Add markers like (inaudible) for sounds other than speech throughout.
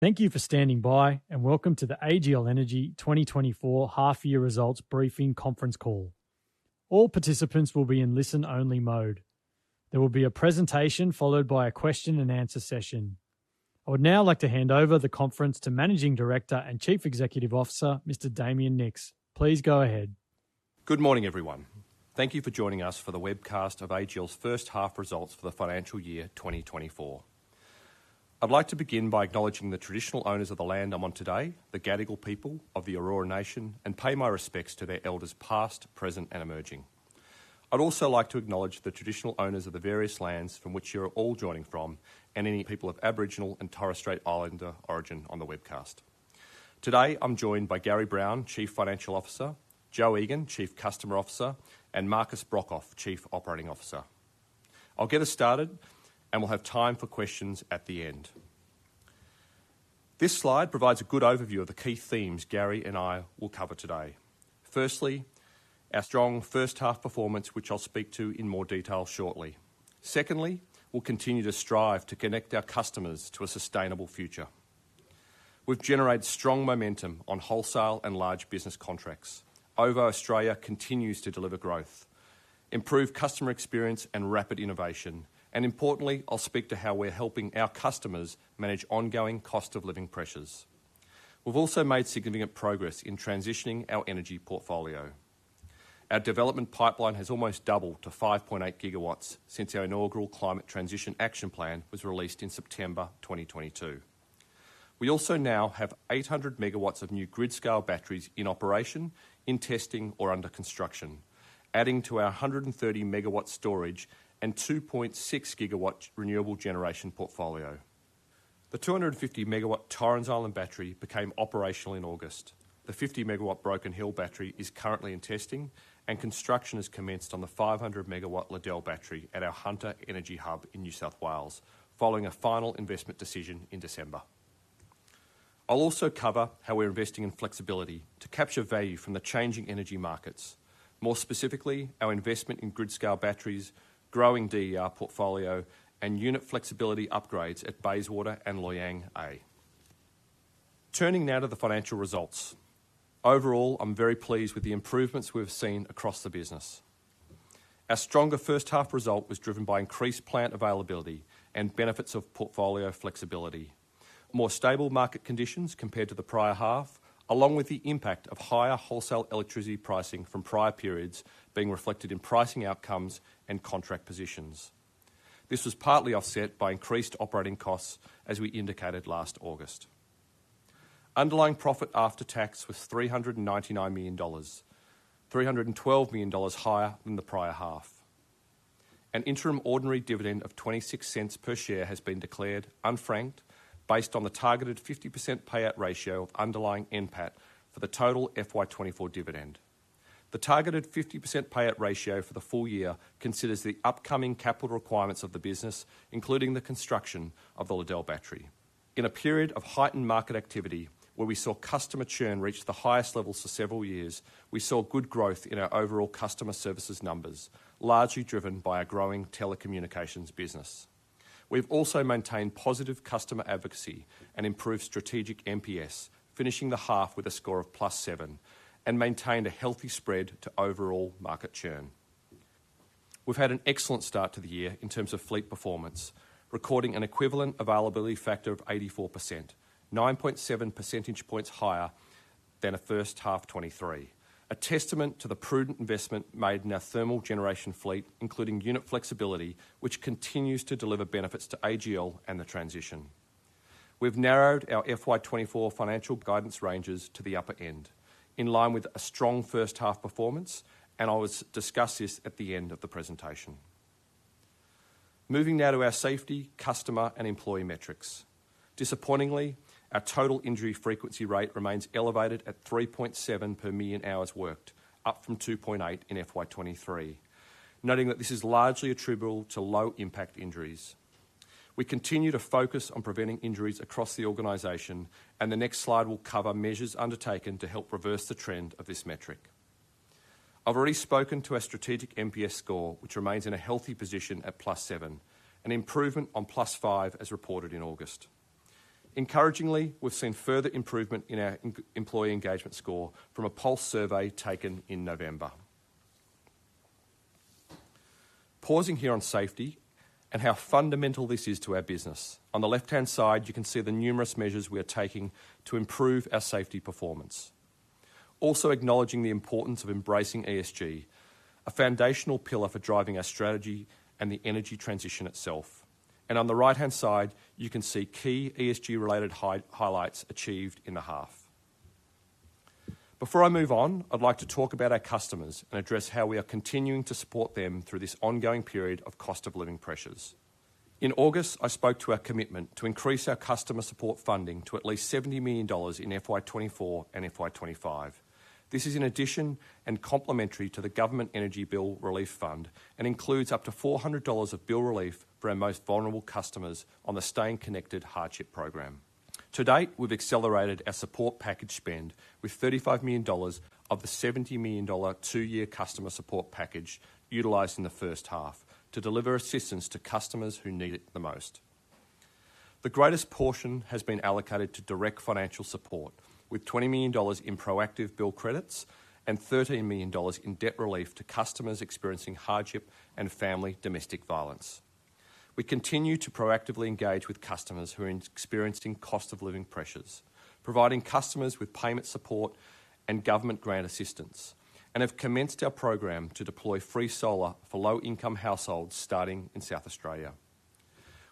Thank you for standing by, and welcome to the AGL Energy 2024 half year results briefing conference call. All participants will be in listen-only mode. There will be a presentation followed by a question-and-answer session. I would now like to hand over the conference to Managing Director and Chief Executive Officer, Mr. Damien Nicks. Please go ahead. Good morning, everyone. Thank you for joining us for the webcast of AGL's 1st half results for the financial year 2024. I'd like to begin by acknowledging the traditional owners of the land I'm on today, the Gadigal people of the Eora Nation, and pay my respects to their elders past, present, and emerging. I'd also like to acknowledge the traditional owners of the various lands from which you're all joining from and any people of Aboriginal and Torres Strait Islander origin on the webcast. Today, I'm joined by Gary Brown, Chief Financial Officer, Jo Egan, Chief Customer Officer, and Markus Brokhof, Chief Operating Officer. I'll get us started, and we'll have time for questions at the end. This slide provides a good overview of the key themes Gary and I will cover today. Firstly, our strong 1st half performance, which I'll speak to in more detail shortly. Secondly, we'll continue to strive to connect our customers to a sustainable future. We've generated strong momentum on wholesale and large business contracts. OVO Australia continues to deliver growth, improve customer experience and rapid innovation, and importantly, I'll speak to how we're helping our customers manage ongoing cost of living pressures. We've also made significant progress in transitioning our energy portfolio. Our development pipeline has almost doubled to 5.8 GW since our inaugural Climate Transition Action Plan was released in September 2022. We also now have 800 MW of new grid-scale batteries in operation, in testing, or under construction, adding to our 130 MW storage and 2.6 GW renewable generation portfolio. The 250 MW Torrens Island Battery became operational in August. The 5 MW Broken Hill Battery is currently in testing, and construction has commenced on the 500 MW Liddell Battery at our Hunter Energy Hub in New South Wales, following a final investment decision in December. I'll also cover how we're investing in flexibility to capture value from the changing energy markets. More specifically, our investment in grid-scale batteries, growing DER portfolio, and unit flexibility upgrades at Bayswater and Loy Yang A. Turning now to the financial results. Overall, I'm very pleased with the improvements we've seen across the business. Our stronger 1st half result was driven by increased plant availability and benefits of portfolio flexibility, more stable market conditions compared to the prior half, along with the impact of higher wholesale electricity pricing from prior periods being reflected in pricing outcomes and contract positions. This was partly offset by increased operating costs, as we indicated last August. Underlying profit after tax was 399 million dollars, 312 million dollars higher than the prior half. An interim ordinary dividend of 0.26 per share has been declared, unfranked, based on the targeted 50% payout ratio of underlying NPAT for the total FY 2024 dividend. The targeted 50% payout ratio for the full year considers the upcoming capital requirements of the business, including the construction of the Liddell Battery. In a period of heightened market activity, where we saw customer churn reach the highest levels for several years, we saw good growth in our overall customer services numbers, largely driven by our growing telecommunications business. We've also maintained positive customer advocacy and improved Strategic NPS, finishing the half with a score of +7, and maintained a healthy spread to overall market churn. We've had an excellent start to the year in terms of fleet performance, recording an equivalent availability factor of 84%, 9.7 percentage points higher than at 1st half 2023. A testament to the prudent investment made in our thermal generation fleet, including unit flexibility, which continues to deliver benefits to AGL and the transition. We've narrowed our FY 2024 financial guidance ranges to the upper end, in line with a strong 1st half performance, and I will discuss this at the end of the presentation. Moving now to our safety, customer, and employee metrics. Disappointingly, our total injury frequency rate remains elevated at 3.7 per million hours worked, up from 2.8 in FY 2023. Noting that this is largely attributable to low-impact injuries. We continue to focus on preventing injuries across the organization, and the next slide will cover measures undertaken to help reverse the trend of this metric. I've already spoken to our Strategic NPS score, which remains in a healthy position at +7, an improvement on +5, as reported in August. Encouragingly, we've seen further improvement in our employee engagement score from a pulse survey taken in November. Pausing here on safety and how fundamental this is to our business. On the left-hand side, you can see the numerous measures we are taking to improve our safety performance. Also, acknowledging the importance of embracing ESG, a foundational pillar for driving our strategy and the energy transition itself, and on the right-hand side, you can see key ESG-related highlights achieved in the half. Before I move on, I'd like to talk about our customers and address how we are continuing to support them through this ongoing period of cost of living pressures. In August, I spoke to our commitment to increase our customer support funding to at least 70 million dollars in FY 2024 and FY 2025. This is in addition and complementary to the Government Energy Bill Relief Fund and includes up to 400 dollars of bill relief for our most vulnerable customers on the Staying Connected hardship program. To date, we've accelerated our support package spend with 35 million dollars of the 70 million dollar two year Customer Support Package utilized in the 1st half to deliver assistance to customers who need it the most. The greatest portion has been allocated to direct financial support, with 20 million dollars in proactive bill credits and 13 million dollars in debt relief to customers experiencing hardship and family domestic violence. We continue to proactively engage with customers who are experiencing cost-of-living pressures, providing customers with payment support and government grant assistance, and have commenced our program to deploy free solar for low-income households starting in South Australia.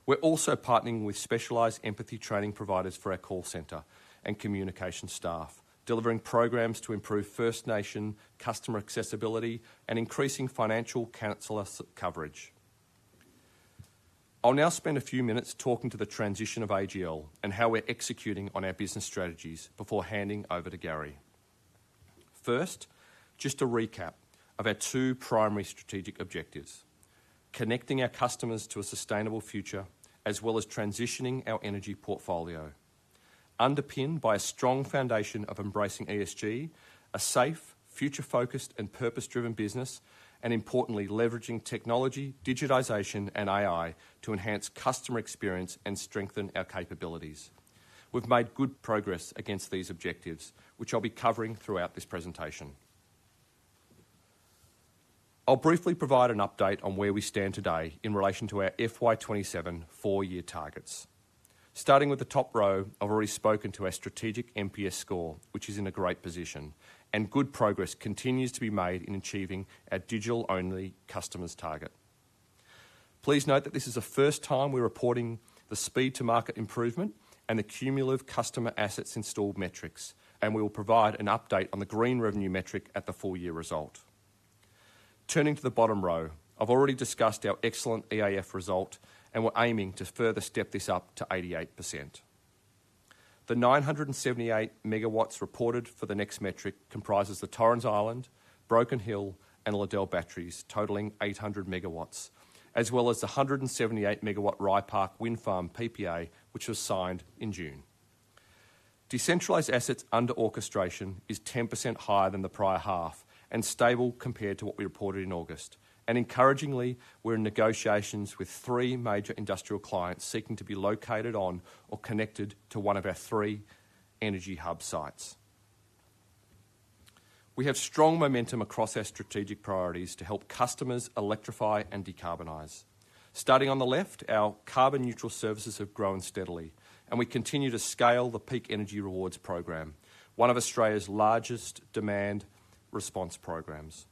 We're also partnering with specialized empathy training providers for our call center and communication staff, delivering programs to improve First Nation customer accessibility and increasing financial counselor coverage. I'll now spend a few minutes talking to the transition of AGL and how we're executing on our business strategies before handing over to Gary. First, just a recap of our two primary strategic objectives connecting our customers to a sustainable future, as well as transitioning our energy portfolio. Underpinned by a strong foundation of embracing ESG, a safe, future-focused and purpose-driven business, and importantly, leveraging technology, digitization, and AI to enhance customer experience and strengthen our capabilities. We've made good progress against these objectives, which I'll be covering throughout this presentation. I'll briefly provide an update on where we stand today in relation to our FY 2027 four year targets. Starting with the top row, I've already spoken to our Strategic NPS score, which is in a great position, and good progress continues to be made in achieving our digital only customers target. Please note that this is the first time we're reporting the speed to market improvement and the cumulative customer assets installed metrics, and we will provide an update on the green revenue metric at the full year result. Turning to the bottom row, I've already discussed our excellent EAF result, and we're aiming to further step this up to 88%. The 978 MW reported for the next metric comprises the Torrens Island Battery, Broken Hill Battery, and Liddell Battery, totaling 800 MW, as well as the 178 MW Rye Park Wind Farm PPA, which was signed in June. Decentralized assets under orchestration is 10% higher than the prior half and stable compared to what we reported in August. And encouragingly, we're in negotiations with three major industrial clients seeking to be located on or connected to one of our three energy hub sites. We have strong momentum across our strategic priorities to help customers electrify and decarbonize. Starting on the left, our carbon neutral services have grown steadily, and we continue to scale the Peak Energy Rewards program, one of Australia's largest demand response programs.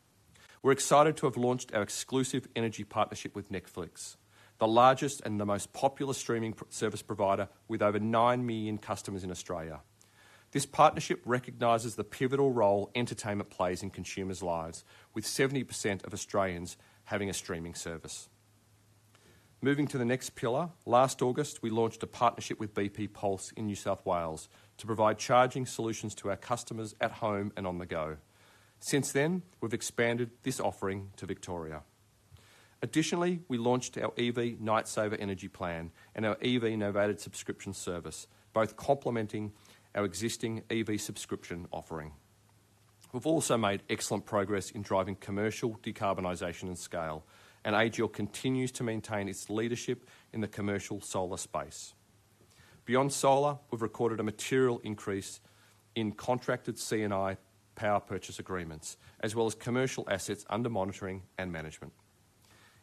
We're excited to have launched our exclusive energy partnership with Netflix, the largest and the most popular streaming service provider with over 9 million customers in Australia. This partnership recognizes the pivotal role entertainment plays in consumers' lives, with 70% of Australians having a streaming service. Moving to the next pillar, last August, we launched a partnership with bp pulse in New South Wales to provide charging solutions to our customers at home and on the go. Since then, we've expanded this offering to Victoria. Additionally, we launched our EV Night Saver energy plan and our EV novated subscription service, both complementing our existing EV subscription offering. We've also made excellent progress in driving commercial decarbonization and scale, and AGL continues to maintain its leadership in the commercial solar space. Beyond solar, we've recorded a material increase in contracted C&I power purchase agreements, as well as commercial assets under monitoring and management.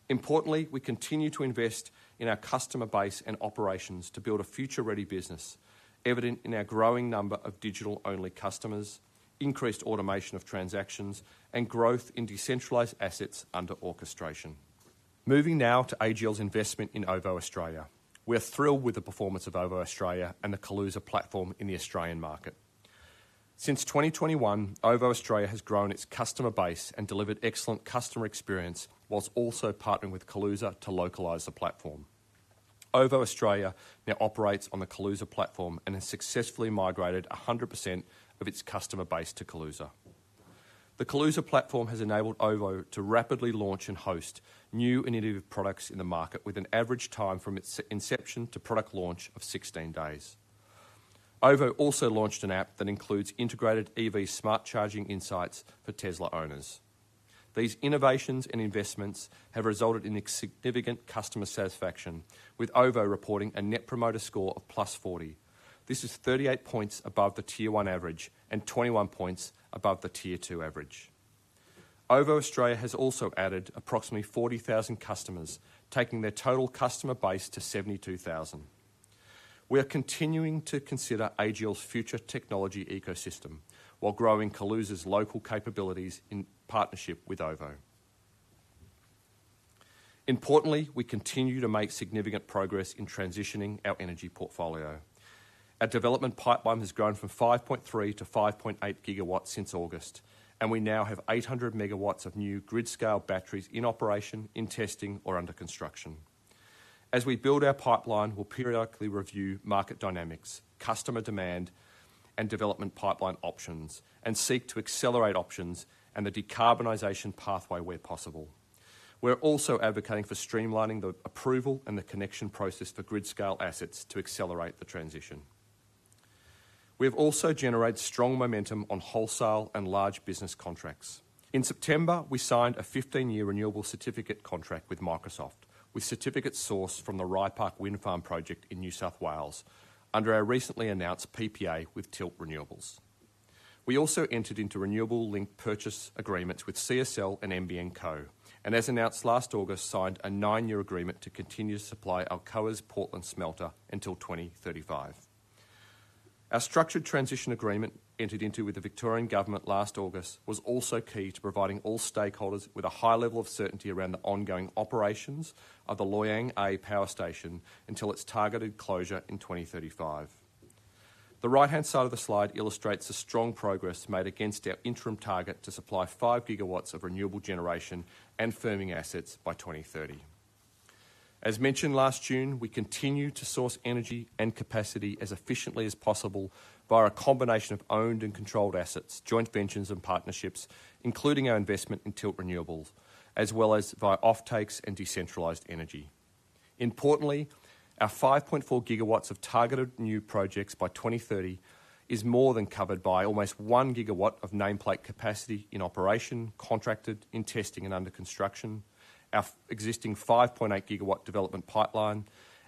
Importantly, we continue to invest in our customer base and operations to build a future-ready business, evident in our growing number of digital-only customers, increased automation of transactions, and growth in decentralized assets under orchestration. Moving now to AGL's investment in OVO Australia. We are thrilled with the performance of OVO Australia and the Kaluza platform in the Australian market. Since 2021, OVO Australia has grown its customer base and delivered excellent customer experience while also partnering with Kaluza to localize the platform. OVO Australia now operates on the Kaluza platform and has successfully migrated 100% of its customer base to Kaluza. The Kaluza platform has enabled OVO to rapidly launch and host new and innovative products in the market, with an average time from its inception to product launch of 16 days. OVO also launched an app that includes integrated EV smart charging insights for Tesla owners. These innovations and investments have resulted in significant customer satisfaction, with OVO reporting a Net Promoter Score of +40. This is 38 points above the tier one average and 21 points above the tier two average. OVO Australia has also added approximately 40,000 customers, taking their total customer base to 72,000. We are continuing to consider AGL's future technology ecosystem while growing Kaluza's local capabilities in partnership with OVO. Importantly, we continue to make significant progress in transitioning our energy portfolio. Our development pipeline has grown from 5.3 GW to 5.8 GW since August, and we now have 800 MW of new grid-scale batteries in operation, in testing, or under construction. As we build our pipeline, we'll periodically review market dynamics, customer demand, and development pipeline options, and seek to accelerate options and the decarbonization pathway where possible. We're also advocating for streamlining the approval and the connection process for grid-scale assets to accelerate the transition. We have also generated strong momentum on wholesale and large business contracts. In September, we signed a 15 year renewable certificate contract with Microsoft, with certificate source from the Rye Park Wind Farm project in New South Wales, under our recently announced PPA with Tilt Renewables. We also entered into renewable linked purchase agreements with CSL and NBN Co, and as announced last August, signed a nine year agreement to continue to supply Alcoa's Portland Smelter until 2035. Our structured transition agreement, entered into with the Victorian Government last August, was also key to providing all stakeholders with a high level of certainty around the ongoing operations of the Loy Yang A Power Station until its targeted closure in 2035. The right-hand side of the slide illustrates the strong progress made against our interim target to supply 5 GW of renewable generation and firming assets by 2030. As mentioned last June, we continue to source energy and capacity as efficiently as possible via a combination of owned and controlled assets, joint ventures and partnerships, including our investment in Tilt Renewables, as well as via offtakes and decentralized energy. Importantly, our 5.4 GW of targeted new projects by 2030 is more than covered by almost 1 GW of nameplate capacity in operation, contracted in testing and under construction, our existing 5.8 GW development pipeline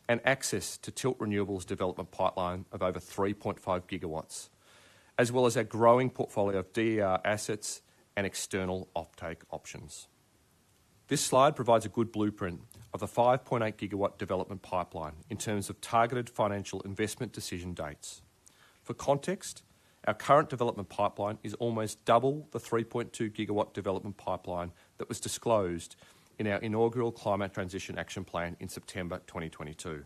and access to Tilt Renewables development pipeline of over 3.5 GW, as well as our growing portfolio of DER assets and external offtake options. This slide provides a good blueprint of the 5.8 GW development pipeline in terms of targeted financial investment decision dates. For context, our current development pipeline is almost double the 3.2 GW development pipeline that was disclosed in our inaugural Climate Transition Action Plan in September 2022.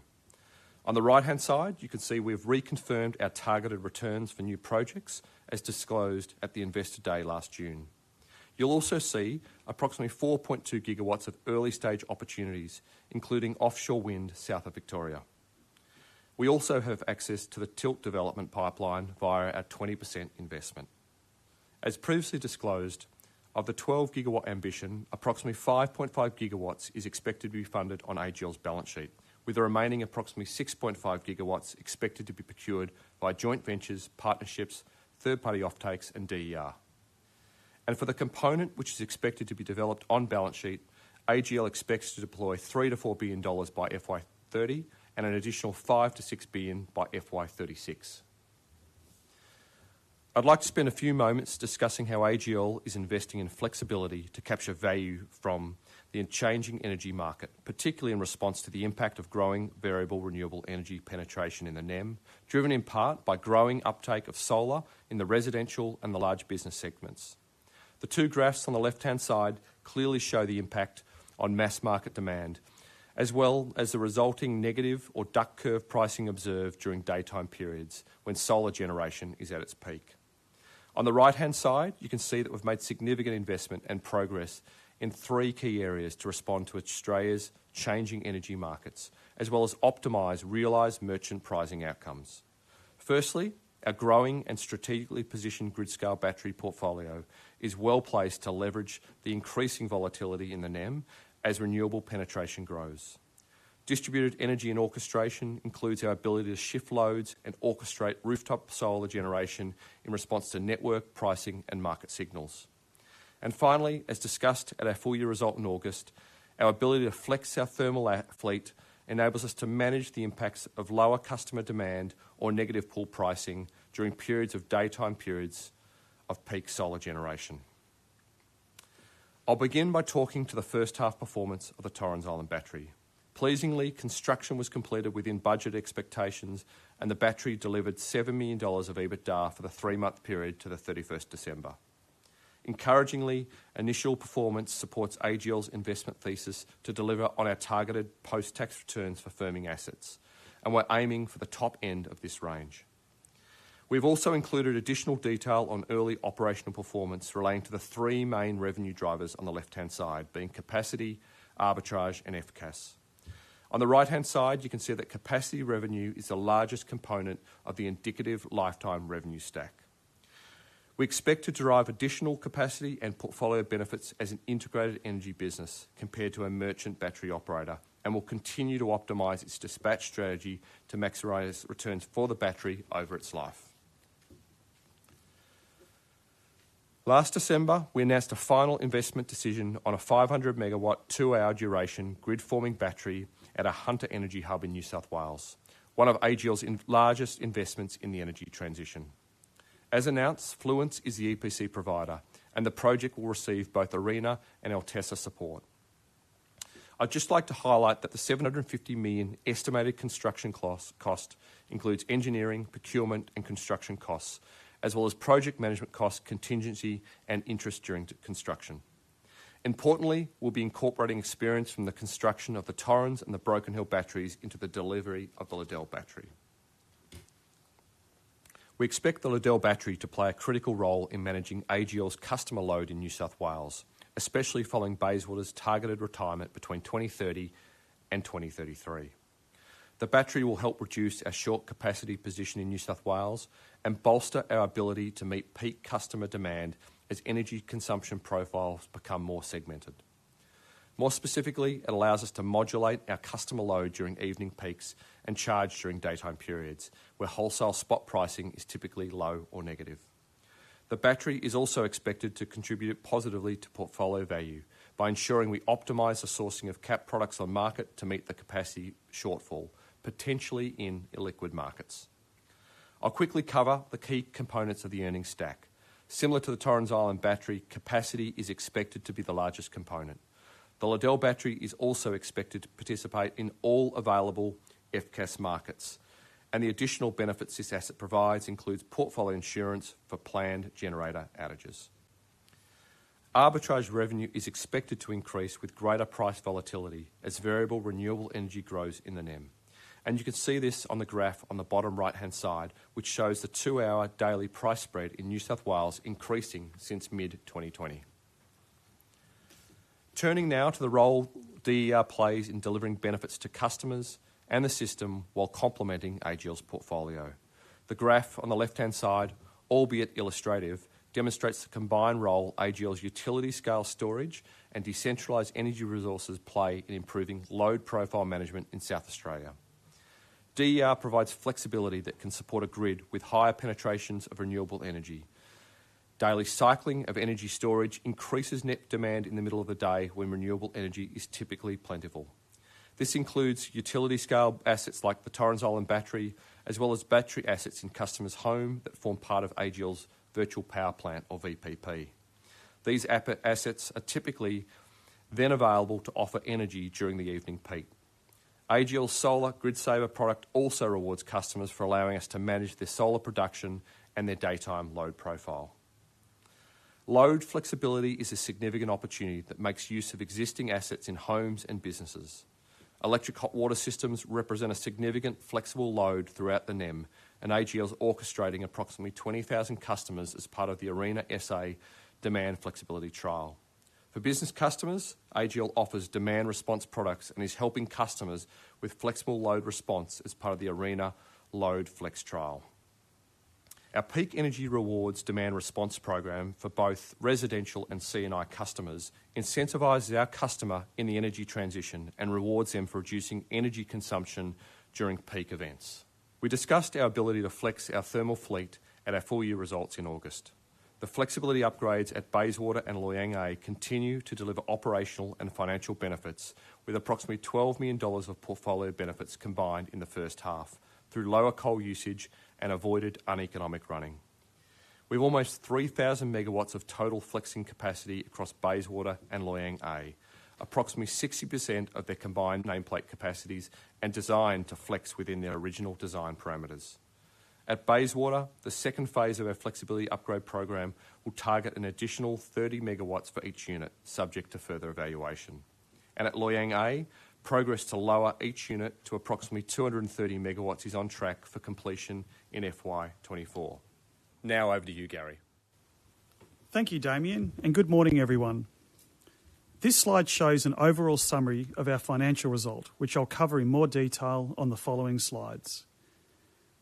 On the right-hand side, you can see we have reconfirmed our targeted returns for new projects, as disclosed at the Investor Day last June. You'll also see approximately 4.2 GW of early stage opportunities, including offshore wind south of Victoria. We also have access to the Tilt development pipeline via our 20% investment. As previously disclosed, of the 12 GW ambition, approximately 5.5 GW is expected to be funded on AGL's balance sheet, with the remaining approximately 6.5 GW expected to be procured by joint ventures, partnerships, third-party offtakes, and DER. For the component which is expected to be developed on balance sheet, AGL expects to deploy 3 billion-4 billion dollars by FY 2030 and an additional 5 billion-6 billion by FY 2036. I'd like to spend a few moments discussing how AGL is investing in flexibility to capture value from the changing energy market, particularly in response to the impact of growing variable renewable energy penetration in the NEM, driven in part by growing uptake of solar in the residential and the large business segments. The two graphs on the left-hand side clearly show the impact on mass market demand, as well as the resulting negative or Duck Curve pricing observed during daytime periods when solar generation is at its peak. On the right-hand side, you can see that we've made significant investment and progress in three key areas to respond to Australia's changing energy markets, as well as optimize realized merchant pricing outcomes. Firstly, our growing and strategically positioned grid-scale battery portfolio is well placed to leverage the increasing volatility in the NEM as renewable penetration grows. Distributed energy and orchestration includes our ability to shift loads and orchestrate rooftop solar generation in response to network pricing and market signals. And finally, as discussed at our full year result in August, our ability to flex our thermal fleet enables us to manage the impacts of lower customer demand or negative pool pricing during periods of daytime periods of peak solar generation. I'll begin by talking to the 1st half performance of the Torrens Island Battery. Pleasingly, construction was completed within budget expectations, and the battery delivered 7 million dollars of EBITDA for the three month period to the 31st December. Encouragingly, initial performance supports AGL's investment thesis to deliver on our targeted post-tax returns for firming assets, and we're aiming for the top end of this range. We've also included additional detail on early operational performance relating to the three main revenue drivers on the left-hand side, being capacity, arbitrage, and FCAS. On the right-hand side, you can see that capacity revenue is the largest component of the indicative lifetime revenue stack. We expect to derive additional capacity and portfolio benefits as an integrated energy business compared to a merchant battery operator, and will continue to optimize its dispatch strategy to maximize returns for the battery over its life. Last December, we announced a final investment decision on a 500 MW, two-hour duration, grid-forming battery at the Hunter Energy Hub in New South Wales, one of AGL's largest investments in the energy transition. As announced, Fluence is the EPC provider, and the project will receive both ARENA and LTESA support. I'd just like to highlight that the 750 million estimated construction cost includes engineering, procurement, and construction costs, as well as project management cost, contingency, and interest during construction. Importantly, we'll be incorporating experience from the construction of the Torrens and the Broken Hill batteries into the delivery of the Liddell Battery. We expect the Liddell Battery to play a critical role in managing AGL's customer load in New South Wales, especially following Bayswater's targeted retirement between 2030 and 2033. The battery will help reduce our short capacity position in New South Wales and bolster our ability to meet peak customer demand as energy consumption profiles become more segmented. More specifically, it allows us to modulate our customer load during evening peaks and charge during daytime periods, where wholesale spot pricing is typically low or negative. The battery is also expected to contribute positively to portfolio value by ensuring we optimize the sourcing of cap products on market to meet the capacity shortfall, potentially in illiquid markets. I'll quickly cover the key components of the earnings stack. Similar to the Torrens Island Battery, capacity is expected to be the largest component. The Liddell Battery is also expected to participate in all available FCAS markets, and the additional benefits this asset provides includes portfolio insurance for planned generator outages. Arbitrage revenue is expected to increase with greater price volatility as variable renewable energy grows in the NEM, and you can see this on the graph on the bottom right-hand side, which shows the two-hour daily price spread in New South Wales increasing since mid 2020. Turning now to the role DER plays in delivering benefits to customers and the system while complementing AGL's portfolio. The graph on the left-hand side, albeit illustrative, demonstrates the combined role AGL's utility-scale storage and decentralized energy resources play in improving load profile management in South Australia. DER provides flexibility that can support a grid with higher penetrations of renewable energy. Daily cycling of energy storage increases net demand in the middle of the day, when renewable energy is typically plentiful. This includes utility-scale assets like the Torrens Island Battery, as well as battery assets in customers' homes that form part of AGL's Virtual Power Plant, or VPP. These assets are typically then available to offer energy during the evening peak. AGL's Solar Grid Saver product also rewards customers for allowing us to manage their solar production and their daytime load profile. Load flexibility is a significant opportunity that makes use of existing assets in homes and businesses. Electric hot water systems represent a significant flexible load throughout the NEM, and AGL is orchestrating approximately 20,000 customers as part of the ARENA SA demand flexibility trial. For business customers, AGL offers demand response products and is helping customers with flexible load response as part of the ARENA Load Flex trial. Our Peak Energy Rewards demand response program, for both residential and C&I customers, incentivizes our customer in the energy transition and rewards them for reducing energy consumption during peak events. We discussed our ability to flex our thermal fleet at our full-year results in August. The flexibility upgrades at Bayswater and Loy Yang A continue to deliver operational and financial benefits, with approximately 12 million dollars of portfolio benefits combined in the 1st half, through lower coal usage and avoided uneconomic running. We have almost 3,000 MW of total flexing capacity across Bayswater and Loy Yang A, approximately 60% of their combined nameplate capacities and designed to flex within their original design parameters. At Bayswater, the 2nd phase of our flexibility upgrade program will target an additional 30 megawatts for each unit, subject to further evaluation. At Loy Yang A, progress to lower each unit to approximately 230 MW is on track for completion in FY 2024. Now over to you, Gary. Thank you, Damien, and good morning, everyone. This slide shows an overall summary of our financial result, which I'll cover in more detail on the following slides.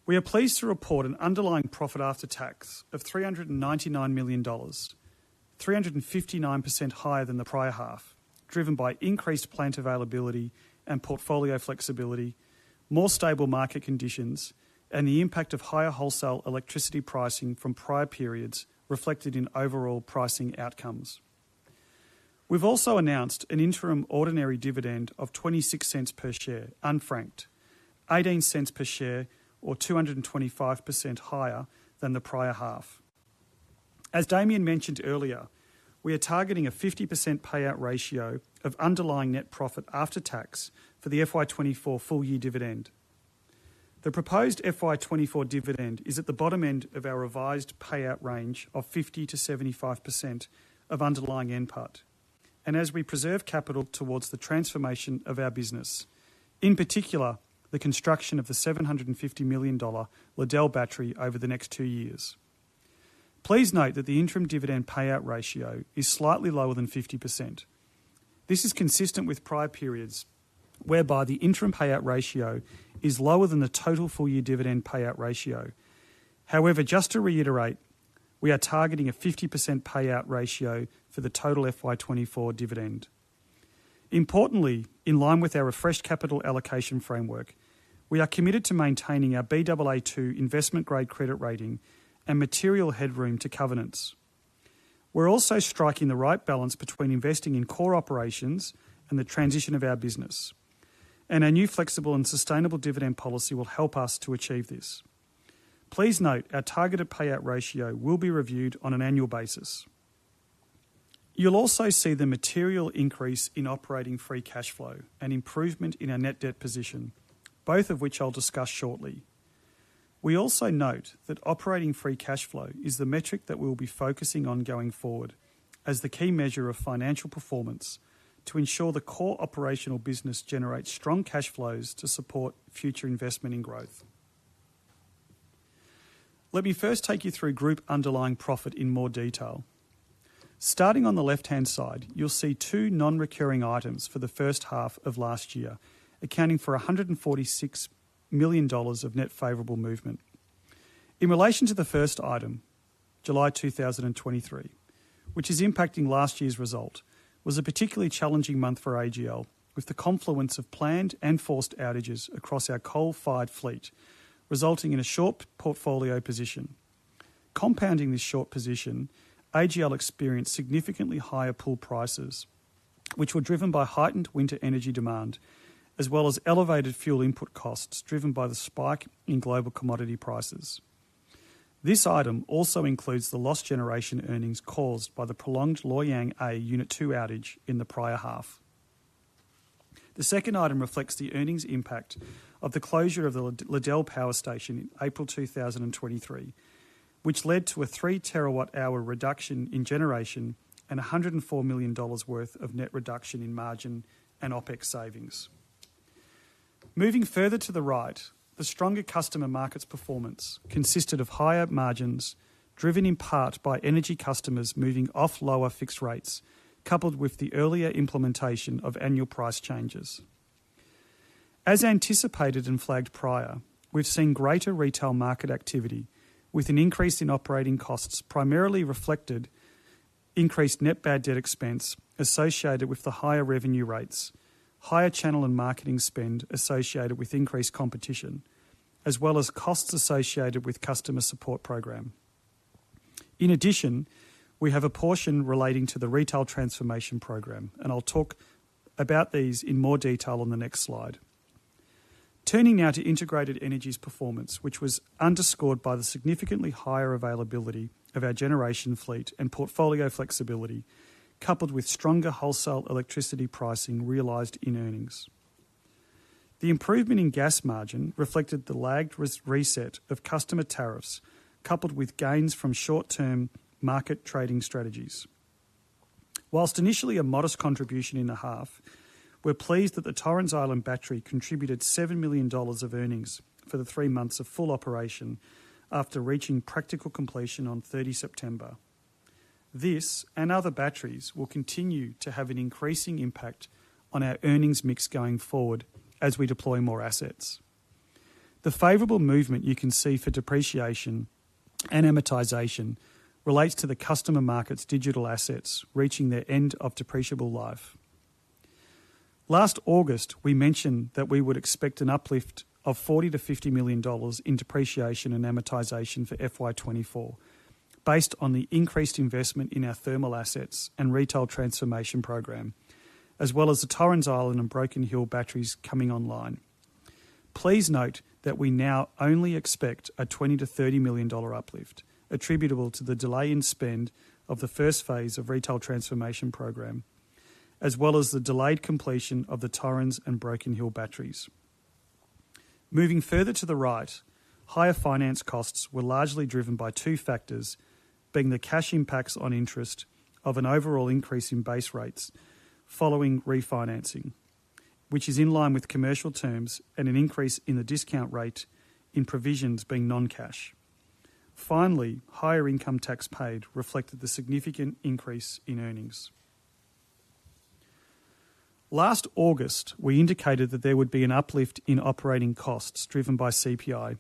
We are pleased to report an underlying profit after tax of 399 million dollars, 359% higher than the prior half, driven by increased plant availability and portfolio flexibility, more stable market conditions, and the impact of higher wholesale electricity pricing from prior periods reflected in overall pricing outcomes. We've also announced an interim ordinary dividend of 0.26 per share, unfranked, 0.18 per share, or 225% higher than the prior half. As Damien mentioned earlier, we are targeting a 50% payout ratio of underlying net profit after tax for the FY 2024 full-year dividend. The proposed FY 2024 dividend is at the bottom end of our revised payout range of 50%-75% of underlying NPAT, and as we preserve capital towards the transformation of our business, in particular, the construction of the 750 million dollar Liddell Battery over the next two years. Please note that the interim dividend payout ratio is slightly lower than 50%. This is consistent with prior periods, whereby the interim payout ratio is lower than the total full-year dividend payout ratio. However, just to reiterate, we are targeting a 50% payout ratio for the total FY 2024 dividend. Importantly, in line with our refreshed capital allocation framework, we are committed to maintaining our Baa2 investment-grade credit rating and material headroom to covenants. We're also striking the right balance between investing in core operations and the transition of our business, and our new flexible and sustainable dividend policy will help us to achieve this. Please note, our targeted payout ratio will be reviewed on an annual basis. You'll also see the material increase in operating free cashflow and improvement in our net debt position, both of which I'll discuss shortly. We also note that operating free cashflow is the metric that we'll be focusing on going forward, as the key measure of financial performance to ensure the core operational business generates strong cashflows to support future investment in growth. Let me first take you through group underlying profit in more detail. Starting on the left-hand side, you'll see two non-recurring items for the 1st half of last year, accounting for 146 million dollars of net favorable movement. In relation to the first item, July 2023, which is impacting last year's result, was a particularly challenging month for AGL, with the confluence of planned and forced outages across our coal-fired fleet, resulting in a short portfolio position. Compounding this short position, AGL experienced significantly higher pool prices, which were driven by heightened winter energy demand, as well as elevated fuel input costs, driven by the spike in global commodity prices. This item also includes the lost generation earnings caused by the prolonged Loy Yang A Unit 2 outage in the prior half. The 2nd item reflects the earnings impact of the closure of the Liddell Power Station in April 2023, which led to a 3 TWh reduction in generation and 104 million dollars worth of net reduction in margin and OpEx savings. Moving further to the right, the customer markets performance consisted of higher margins, driven in part by energy customers moving off lower fixed rates, coupled with the earlier implementation of annual price changes. As anticipated and flagged prior, we've seen greater retail market activity with an increase in operating costs, primarily reflected increased net bad debt expense associated with the higher revenue rates, higher channel and marketing spend associated with increased competition, as well as costs associated with customer support program. In addition, we have a portion relating to the Retail Transformation Program, and I'll talk about these in more detail on the next slide. Turning now to Integrated Energy's performance, which was underscored by the significantly higher availability of our generation fleet and portfolio flexibility, coupled with stronger wholesale electricity pricing realized in earnings. The improvement in gas margin reflected the lagged reset of customer tariffs, coupled with gains from short-term market trading strategies. While initially a modest contribution in the half, we're pleased that the Torrens Island Battery contributed 7 million dollars of earnings for the three months of full operation after reaching practical completion on 30 September. This and other batteries will continue to have an increasing impact on our earnings mix going forward as we deploy more assets. The favorable movement you can see for depreciation and amortization relates to the customer market's digital assets reaching their end of depreciable life. Last August, we mentioned that we would expect an uplift of 40 million-50 million dollars in depreciation and amortization for FY 2024, based on the increased investment in our thermal assets and Retail Transformation Program, as well as the Torrens Island and Broken Hill batteries coming online. Please note that we now only expect a 20 million-30 million dollar uplift, attributable to the delay in spend of the 1st phase of Retail Transformation Program, as well as the delayed completion of the Torrens and Broken Hill batteries. Moving further to the right, higher finance costs were largely driven by two factors, being the cash impacts on interest of an overall increase in base rates following refinancing, which is in line with commercial terms and an increase in the discount rate in provisions being non-cash. Finally, higher income tax paid reflected the significant increase in earnings. Last August, we indicated that there would be an uplift in operating costs driven by CPI,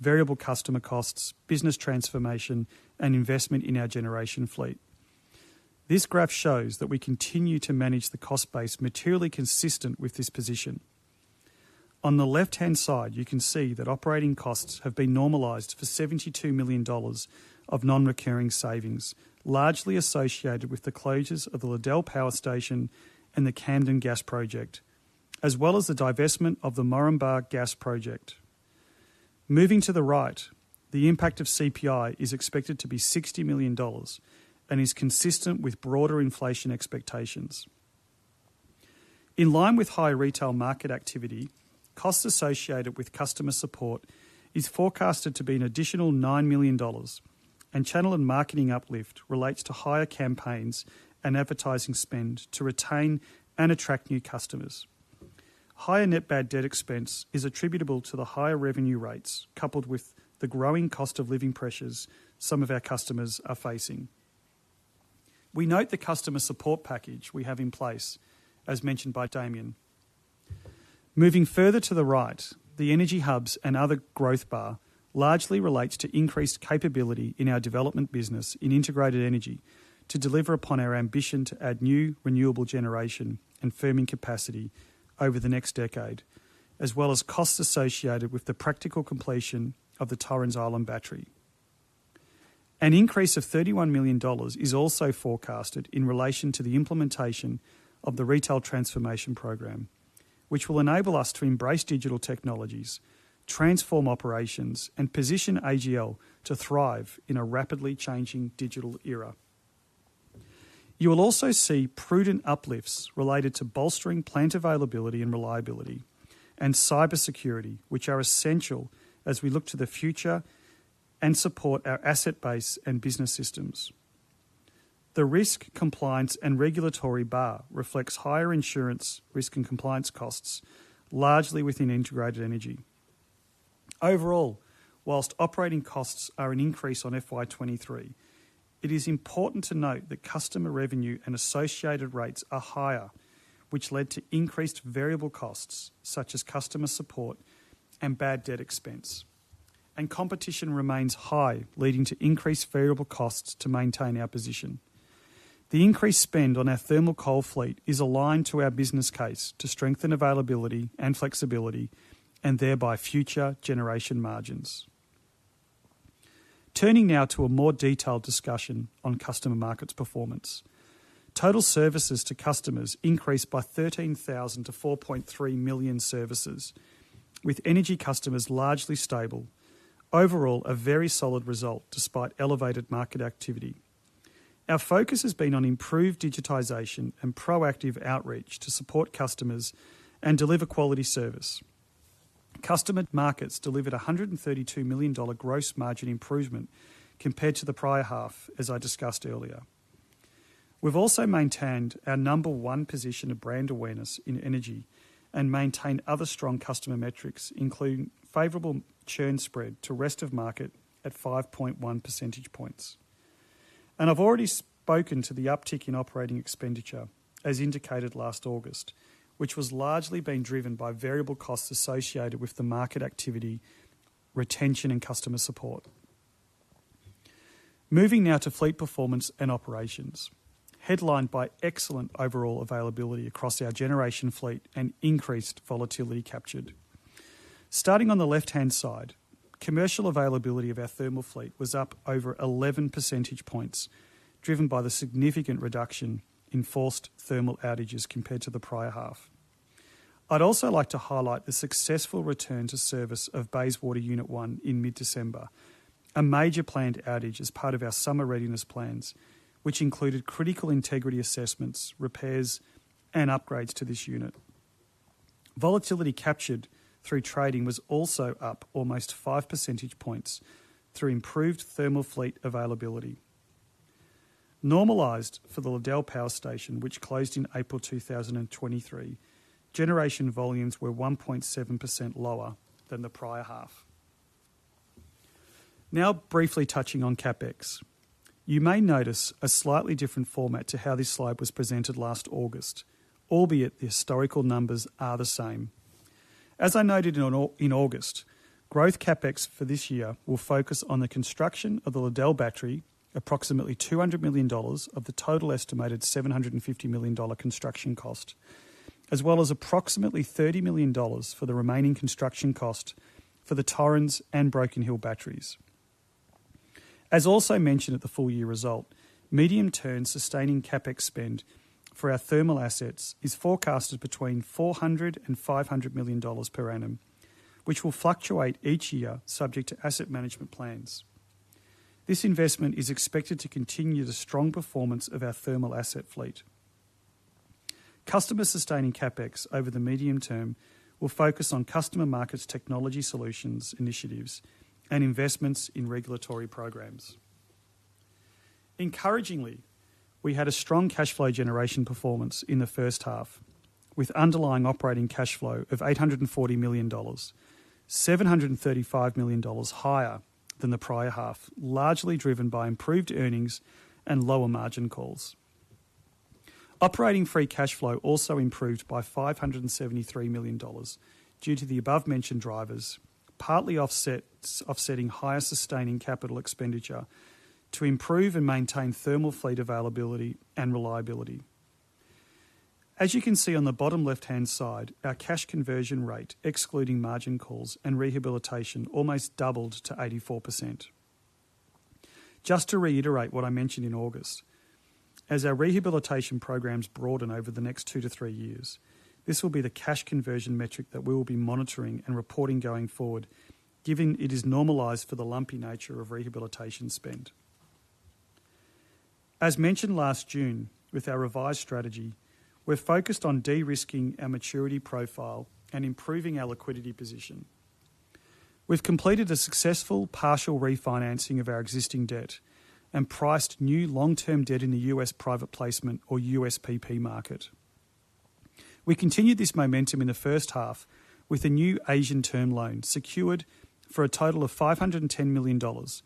variable customer costs, business transformation, and investment in our generation fleet. This graph shows that we continue to manage the cost base materially consistent with this position. On the left-hand side, you can see that operating costs have been normalized for 72 million dollars of non-recurring savings, largely associated with the closures of the Liddell Power Station and the Camden Gas Project, as well as the divestment of the Moranbah Gas Project. Moving to the right, the impact of CPI is expected to be 60 million dollars and is consistent with broader inflation expectations. In line with high retail market activity, costs associated with customer support is forecasted to be an additional 9 million dollars, and channel and marketing uplift relates to higher campaigns and advertising spend to retain and attract new customers. Higher net bad debt expense is attributable to the higher revenue rates, coupled with the growing cost of living pressures some of our customers are facing. We note the customer support package we have in place, as mentioned by Damien. Moving further to the right, the Energy Hubs and other growth bar largely relates to increased capability in our development business in Integrated Energy to deliver upon our ambition to add new renewable generation and firming capacity over the next decade, as well as costs associated with the practical completion of the Torrens Island Battery. An increase of 31 million dollars is also forecasted in relation to the implementation of the Retail Transformation Program, which will enable us to embrace digital technologies, transform operations, and position AGL to thrive in a rapidly changing digital era. You will also see prudent uplifts related to bolstering plant availability and reliability and cybersecurity, which are essential as we look to the future and support our asset base and business systems. The risk, compliance, and regulatory bar reflects higher insurance risk and compliance costs, largely within Integrated Energy. Overall, while operating costs are an increase on FY 2023. It is important to note that customer revenue and associated rates are higher, which led to increased variable costs, such as customer support and bad debt expense, and competition remains high, leading to increased variable costs to maintain our position. The increased spend on our thermal coal fleet is aligned to our business case to strengthen availability and flexibility, and thereby future generation margins. Turning now to a more detailed discussion on customer markets performance. Total services to customers increased by 13,000 to 4.3 million services, with energy customers largely stable. Overall, a very solid result despite elevated market activity. Our focus has been on improved digitization and proactive outreach to support customers and deliver quality service. Customer markets delivered 132 million dollar gross margin improvement compared to the prior half, as I discussed earlier. We've also maintained our number one position of brand awareness in energy and maintained other strong customer metrics, including favorable churn spread to rest of market at 5.1 percentage points. I've already spoken to the uptick in operating expenditure as indicated last August, which was largely being driven by variable costs associated with the market activity, retention, and customer support. Moving now to fleet performance and operations, headlined by excellent overall availability across our generation fleet and increased volatility captured. Starting on the left-hand side, commercial availability of our thermal fleet was up over 11 percentage points, driven by the significant reduction in forced thermal outages compared to the prior half. I'd also like to highlight the successful return to service of Bayswater Unit One in mid-December, a major planned outage as part of our summer readiness plans, which included critical integrity assessments, repairs, and upgrades to this unit. Volatility captured through trading was also up almost 5 percentage points through improved thermal fleet availability. Normalized for the Liddell Power Station, which closed in April 2023, generation volumes were 1.7% lower than the prior half. Now briefly touching on CapEx. You may notice a slightly different format to how this slide was presented last August, albeit the historical numbers are the same. As I noted in August, growth CapEx for this year will focus on the construction of the Liddell Battery, approximately 200 million dollars of the total estimated 750 million dollar construction cost, as well as approximately 30 million dollars for the remaining construction cost for the Torrens and Broken Hill batteries. As also mentioned at the full year result, medium-term sustaining CapEx spend for our thermal assets is forecasted between 400 million dollars and AUD 500 million per annum, which will fluctuate each year subject to asset management plans. This investment is expected to continue the strong performance of our thermal asset fleet. Customer sustaining CapEx over the medium term will focus on customer markets, technology solutions, initiatives, and investments in regulatory programs. Encouragingly, we had a strong cash flow generation performance in the 1st half, with underlying operating cash flow of 840 million dollars, 735 million dollars higher than the prior half, largely driven by improved earnings and lower margin calls. Operating free cash flow also improved by AUD 573 million due to the above mentioned drivers, partly offset, offsetting higher sustaining capital expenditure to improve and maintain thermal fleet availability and reliability. As you can see on the bottom left-hand side, our cash conversion rate, excluding margin calls and rehabilitation, almost doubled to 84%. Just to reiterate what I mentioned in August, as our rehabilitation programs broaden over the next two to three years, this will be the cash conversion metric that we will be monitoring and reporting going forward, given it is normalized for the lumpy nature of rehabilitation spend. As mentioned last June with our revised strategy, we're focused on de-risking our maturity profile and improving our liquidity position. We've completed a successful partial refinancing of our existing debt and priced new long-term debt in the U.S. private placement or USPP market. We continued this momentum in the 1st half with a new Asian term loan, secured for a total of 510 million dollars,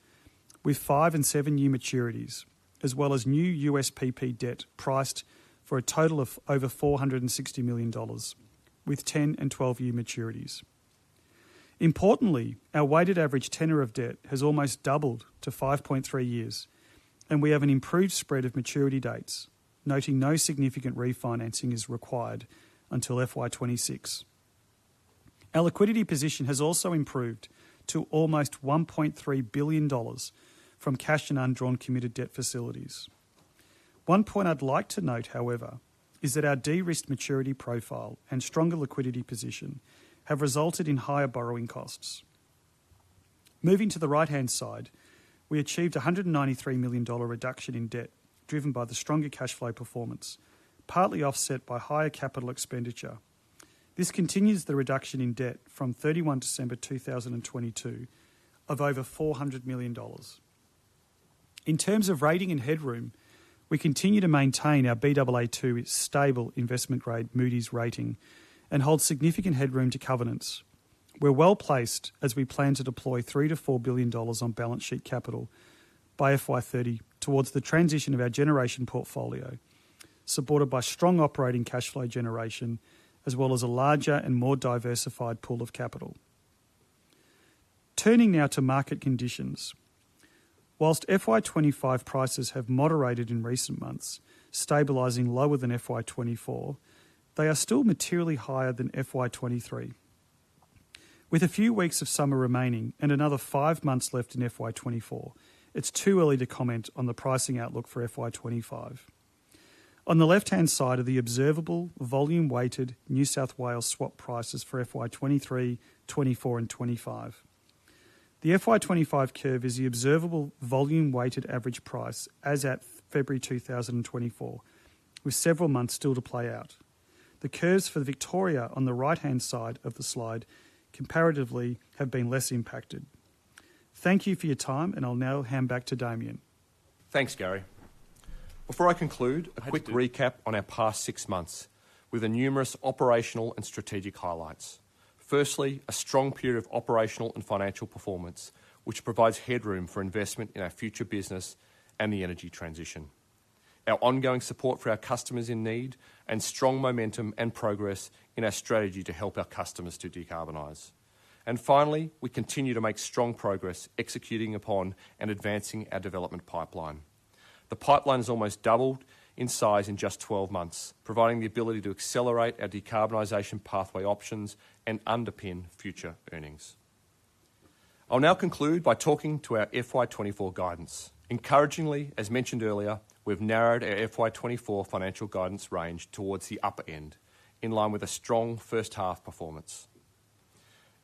with five and seven year maturities, as well as new USPP debt priced for a total of over $460 million, with 10 and 12 year maturities. Importantly, our weighted average tenor of debt has almost doubled to 5.3 years, and we have an improved spread of maturity dates, noting no significant refinancing is required until FY 2026. Our liquidity position has also improved to almost 1.3 billion dollars from cash and undrawn committed debt facilities. One point I'd like to note, however, is that our de-risked maturity profile and stronger liquidity position have resulted in higher borrowing costs. Moving to the right-hand side, we achieved 193 million dollar reduction in debt, driven by the stronger cash flow performance, partly offset by higher capital expenditure. This continues the reduction in debt from 31 December 2022 of over 400 million dollars. In terms of rating and headroom, we continue to maintain our Baa2 stable investment-grade Moody's rating and hold significant headroom to covenants. We're well-placed as we plan to deploy 3 billion-4 billion dollars on balance sheet capital by FY 2030 towards the transition of our generation portfolio, supported by strong operating cash flow generation, as well as a larger and more diversified pool of capital. Turning now to market conditions. While FY 2025 prices have moderated in recent months, stabilizing lower than FY 2024, they are still materially higher than FY 2023. With a few weeks of summer remaining and another five months left in FY 2024, it's too early to comment on the pricing outlook for FY 2025. On the left-hand side are the observable volume-weighted New South Wales swap prices for FY 2023, 2024 and 2025. The FY 2025 curve is the observable volume-weighted average price as at February 2024, with several months still to play out. The curves for Victoria on the right-hand side of the slide comparatively have been less impacted. Thank you for your time, and I'll now hand back to Damien. Thanks, Gary. Before I conclude. Hi, Damien. A quick recap on our past six months, with the numerous operational and strategic highlights. Firstly, a strong period of operational and financial performance, which provides headroom for investment in our future business and the energy transition. Our ongoing support for our customers in need, and strong momentum and progress in our strategy to help our customers to decarbonize. Finally, we continue to make strong progress executing upon and advancing our development pipeline. The pipeline has almost doubled in size in just 12 months, providing the ability to accelerate our decarbonization pathway options and underpin future earnings. I'll now conclude by talking to our FY 2024 guidance. Encouragingly, as mentioned earlier, we've narrowed our FY 2024 financial guidance range towards the upper end, in line with a strong 1st half performance.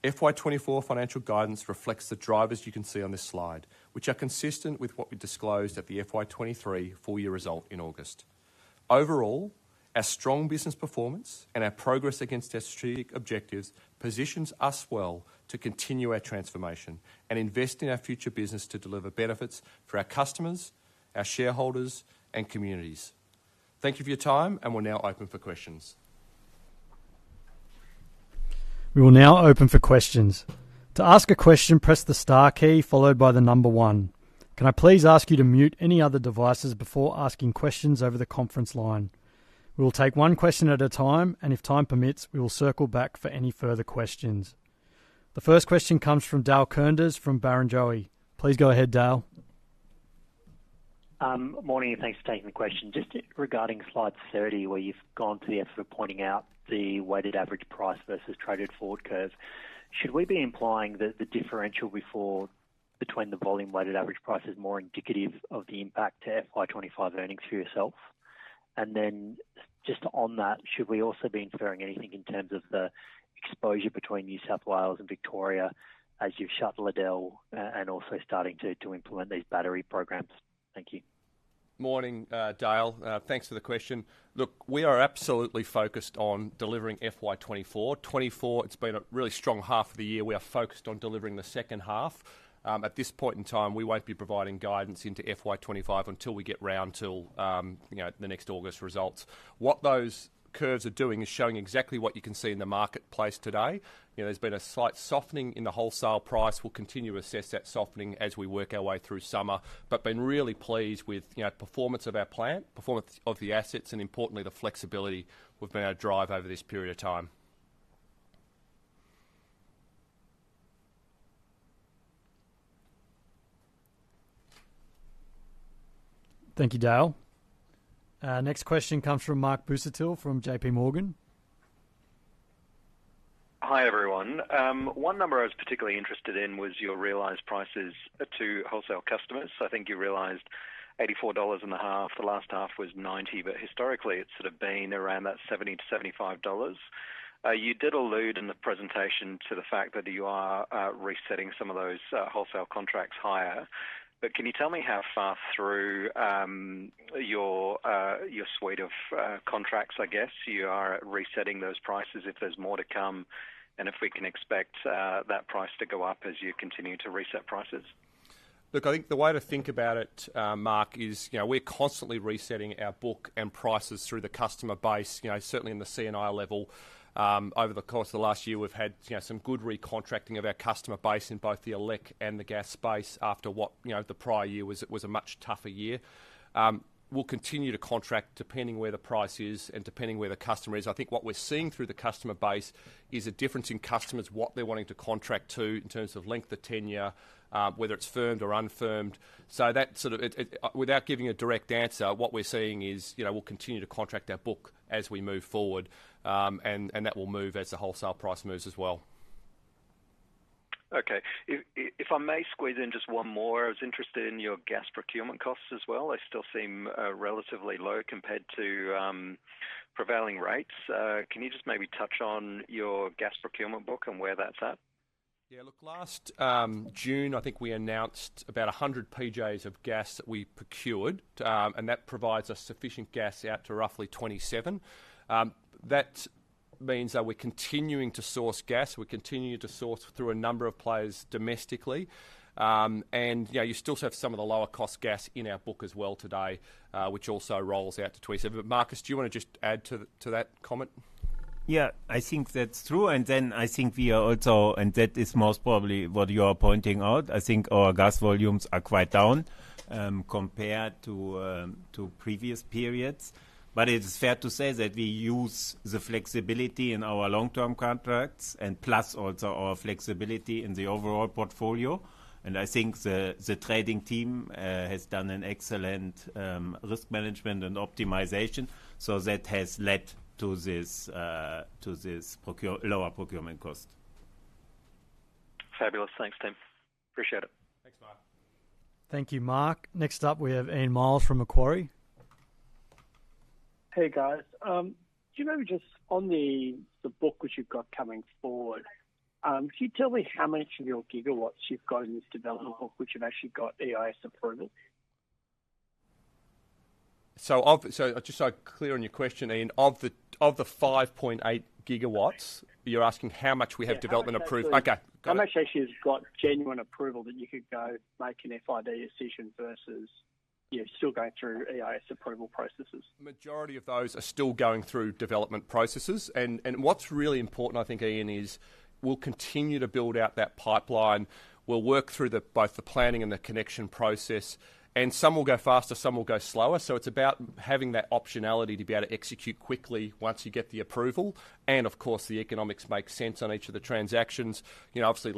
FY 2024 financial guidance reflects the drivers you can see on this slide, which are consistent with what we disclosed at the FY 2023 full year result in August. Overall, our strong business performance and our progress against our strategic objectives positions us well to continue our transformation and invest in our future business to deliver benefits for our customers, our shareholders, and communities. Thank you for your time, and we'll now open for questions. We will now open for questions. To ask a question, press the star key followed by the number one. Can I please ask you to mute any other devices before asking questions over the conference line? We will take one question at a time, and if time permits, we will circle back for any further questions. The first question comes from Dale Koenders from Barrenjoey. Please go ahead, Dale. Morning, and thanks for taking the question. Just regarding slide 30, where you've gone to the effort of pointing out the weighted average price versus traded forward curves, should we be implying that the differential between the volume-weighted average price is more indicative of the impact to FY 2025 earnings for yourself? And then just on that, should we also be inferring anything in terms of the exposure between New South Wales and Victoria as you shut Liddell, and also starting to implement these battery programs? Thank you. Morning, Dale. Thanks for the question. Look, we are absolutely focused on delivering FY 2024. 2024, it's been a really strong half of the year. We are focused on delivering the 2nd half. At this point in time, we won't be providing guidance into FY 2025 until we get round to, you know, the next August results. What those curves are doing is showing exactly what you can see in the marketplace today. You know, there's been a slight softening in the wholesale price. We'll continue to assess that softening as we work our way through summer, but been really pleased with, you know, performance of our plant, performance of the assets, and importantly, the flexibility within our drive over this period of time. Thank you, Dale. Next question comes from Mark Busuttil from JPMorgan. Hi, everyone. One number I was particularly interested in was your realized prices to wholesale customers. I think you realized 84 dollars in the half, the last half was 90, but historically it's sort of been around that 70-75 dollars. You did allude in the presentation to the fact that you are resetting some of those wholesale contracts higher, but can you tell me how far through your your suite of contracts, I guess, you are resetting those prices, if there's more to come, and if we can expect that price to go up as you continue to reset prices? Look, I think the way to think about it, Mark, is, you know, we're constantly resetting our book and prices through the customer base, you know, certainly in the C&I level. Over the course of the last year, we've had, you know, some good recontracting of our customer base in both the elec and the gas space after what, you know, the prior year was a, was a much tougher year. We'll continue to contract depending where the price is and depending where the customer is. I think what we're seeing through the customer base is a difference in customers, what they're wanting to contract to, in terms of length of tenure, whether it's firmed or unfirmed. So that sort of, it, it... Without giving a direct answer, what we're seeing is, you know, we'll continue to contract our book as we move forward, and that will move as the wholesale price moves as well. Okay. If I may squeeze in just one more, I was interested in your gas procurement costs as well. They still seem relatively low compared to prevailing rates. Can you just maybe touch on your gas procurement book and where that's at? Yeah, look, last June, I think we announced about 100 PJs of gas that we procured, and that provides us sufficient gas out to roughly 2027. That means that we're continuing to source gas, we're continuing to source through a number of players domestically. And, you know, you still have some of the lower cost gas in our book as well today, which also rolls out to 2027. But Markus, do you want to just add to that comment?... Yeah, I think that's true, and then I think we are also, and that is most probably what you are pointing out, I think our gas volumes are quite down, compared to, to previous periods. But it is fair to say that we use the flexibility in our long-term contracts, and plus also our flexibility in the overall portfolio, and I think the trading team has done an excellent risk management and optimization, so that has led to this, to this lower procurement cost. Fabulous. Thanks, [Team] Appreciate it. Thanks, Mark. Thank you, Mark. Next up, we have Ian Myles from Macquarie. Hey, guys. Can you maybe just on the, the book which you've got coming forward, can you tell me how much of your gigawatts you've got in this development book, which have actually got EIS approval? So just so clear on your question, Ian, of the 5.8 gigawatts, you're asking how much we have development approval? Yeah, how much- Okay, go on. How much actually has got genuine approval that you could go make an FID decision versus you're still going through EIS approval processes? Majority of those are still going through development processes. And what's really important, I think, Ian, is we'll continue to build out that pipeline. We'll work through the, both the planning and the connection process, and some will go faster, some will go slower. So it's about having that optionality to be able to execute quickly once you get the approval, and of course, the economics make sense on each of the transactions. You know, obviously,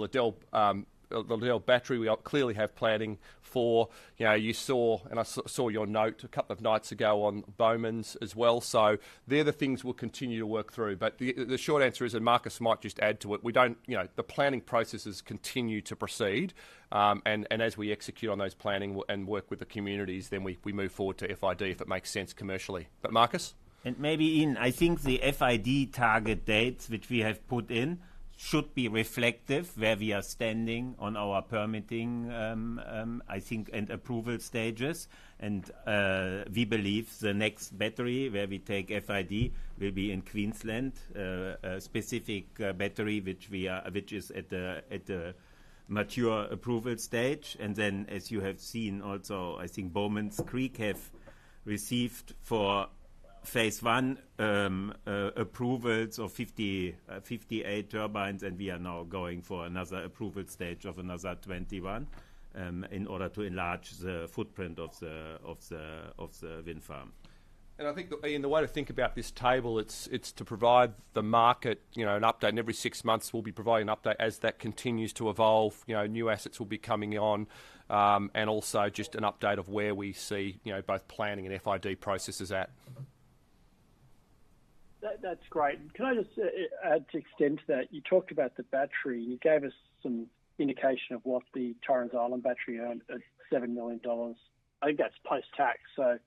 the Liddell, the Liddell Battery, we obviously clearly have planning for... You know, you saw, and I saw your note a couple of nights ago on Bowmans as well, so they're the things we'll continue to work through. But the short answer is, and Markus might just add to it, we don't, you know, the planning processes continue to proceed. As we execute on those planning and work with the communities, then we move forward to FID if it makes sense commercially. But, Markus? Maybe, Ian, I think the FID target dates, which we have put in, should be reflective where we are standing on our permitting, I think, and approval stages. We believe the next battery, where we take FID, will be in Queensland, a specific battery which we are, which is at the, at the mature approval stage. Then, as you have seen also, I think Bowmans Creek have received for phase I approvals of 58 turbines, and we are now going for another approval stage of another 21 in order to enlarge the footprint of the, of the, of the wind farm. I think, Ian, the way to think about this table, it's to provide the market, you know, an update, and every six months we'll be providing an update. As that continues to evolve, you know, new assets will be coming on, and also just an update of where we see, you know, both planning and FID processes at. That, that's great. Can I just, to extend that, you talked about the battery, and you gave us some indication of what the Torrens Island Battery earned, 7 million dollars. I think that's post-tax, so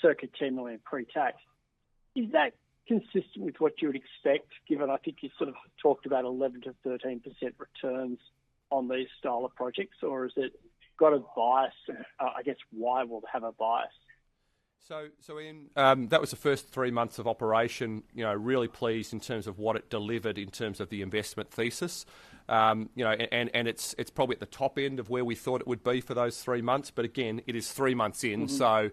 circa 10 million pre-tax. Is that consistent with what you would expect, given I think you sort of talked about 11%-13% returns on these style of projects, or has it got a bias? I guess why would it have a bias? So, Ian, that was the first three months of operation. You know, really pleased in terms of what it delivered in terms of the investment thesis. You know, and it's probably at the top end of where we thought it would be for those three months, but again, it is three months in. Mm-hmm. So,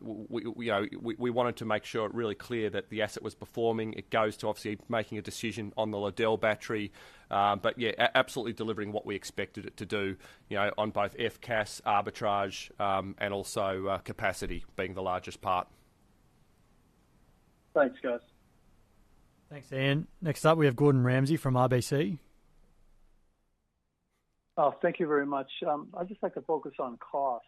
we, you know, we wanted to make sure really clear that the asset was performing. It goes to obviously making a decision on the Liddell Battery. But yeah, absolutely delivering what we expected it to do, you know, on both FCAS, arbitrage, and also, capacity being the largest part. Thanks, guys. Thanks, Ian. Next up, we have Gordon Ramsay from RBC. Oh, thank you very much. I'd just like to focus on cost.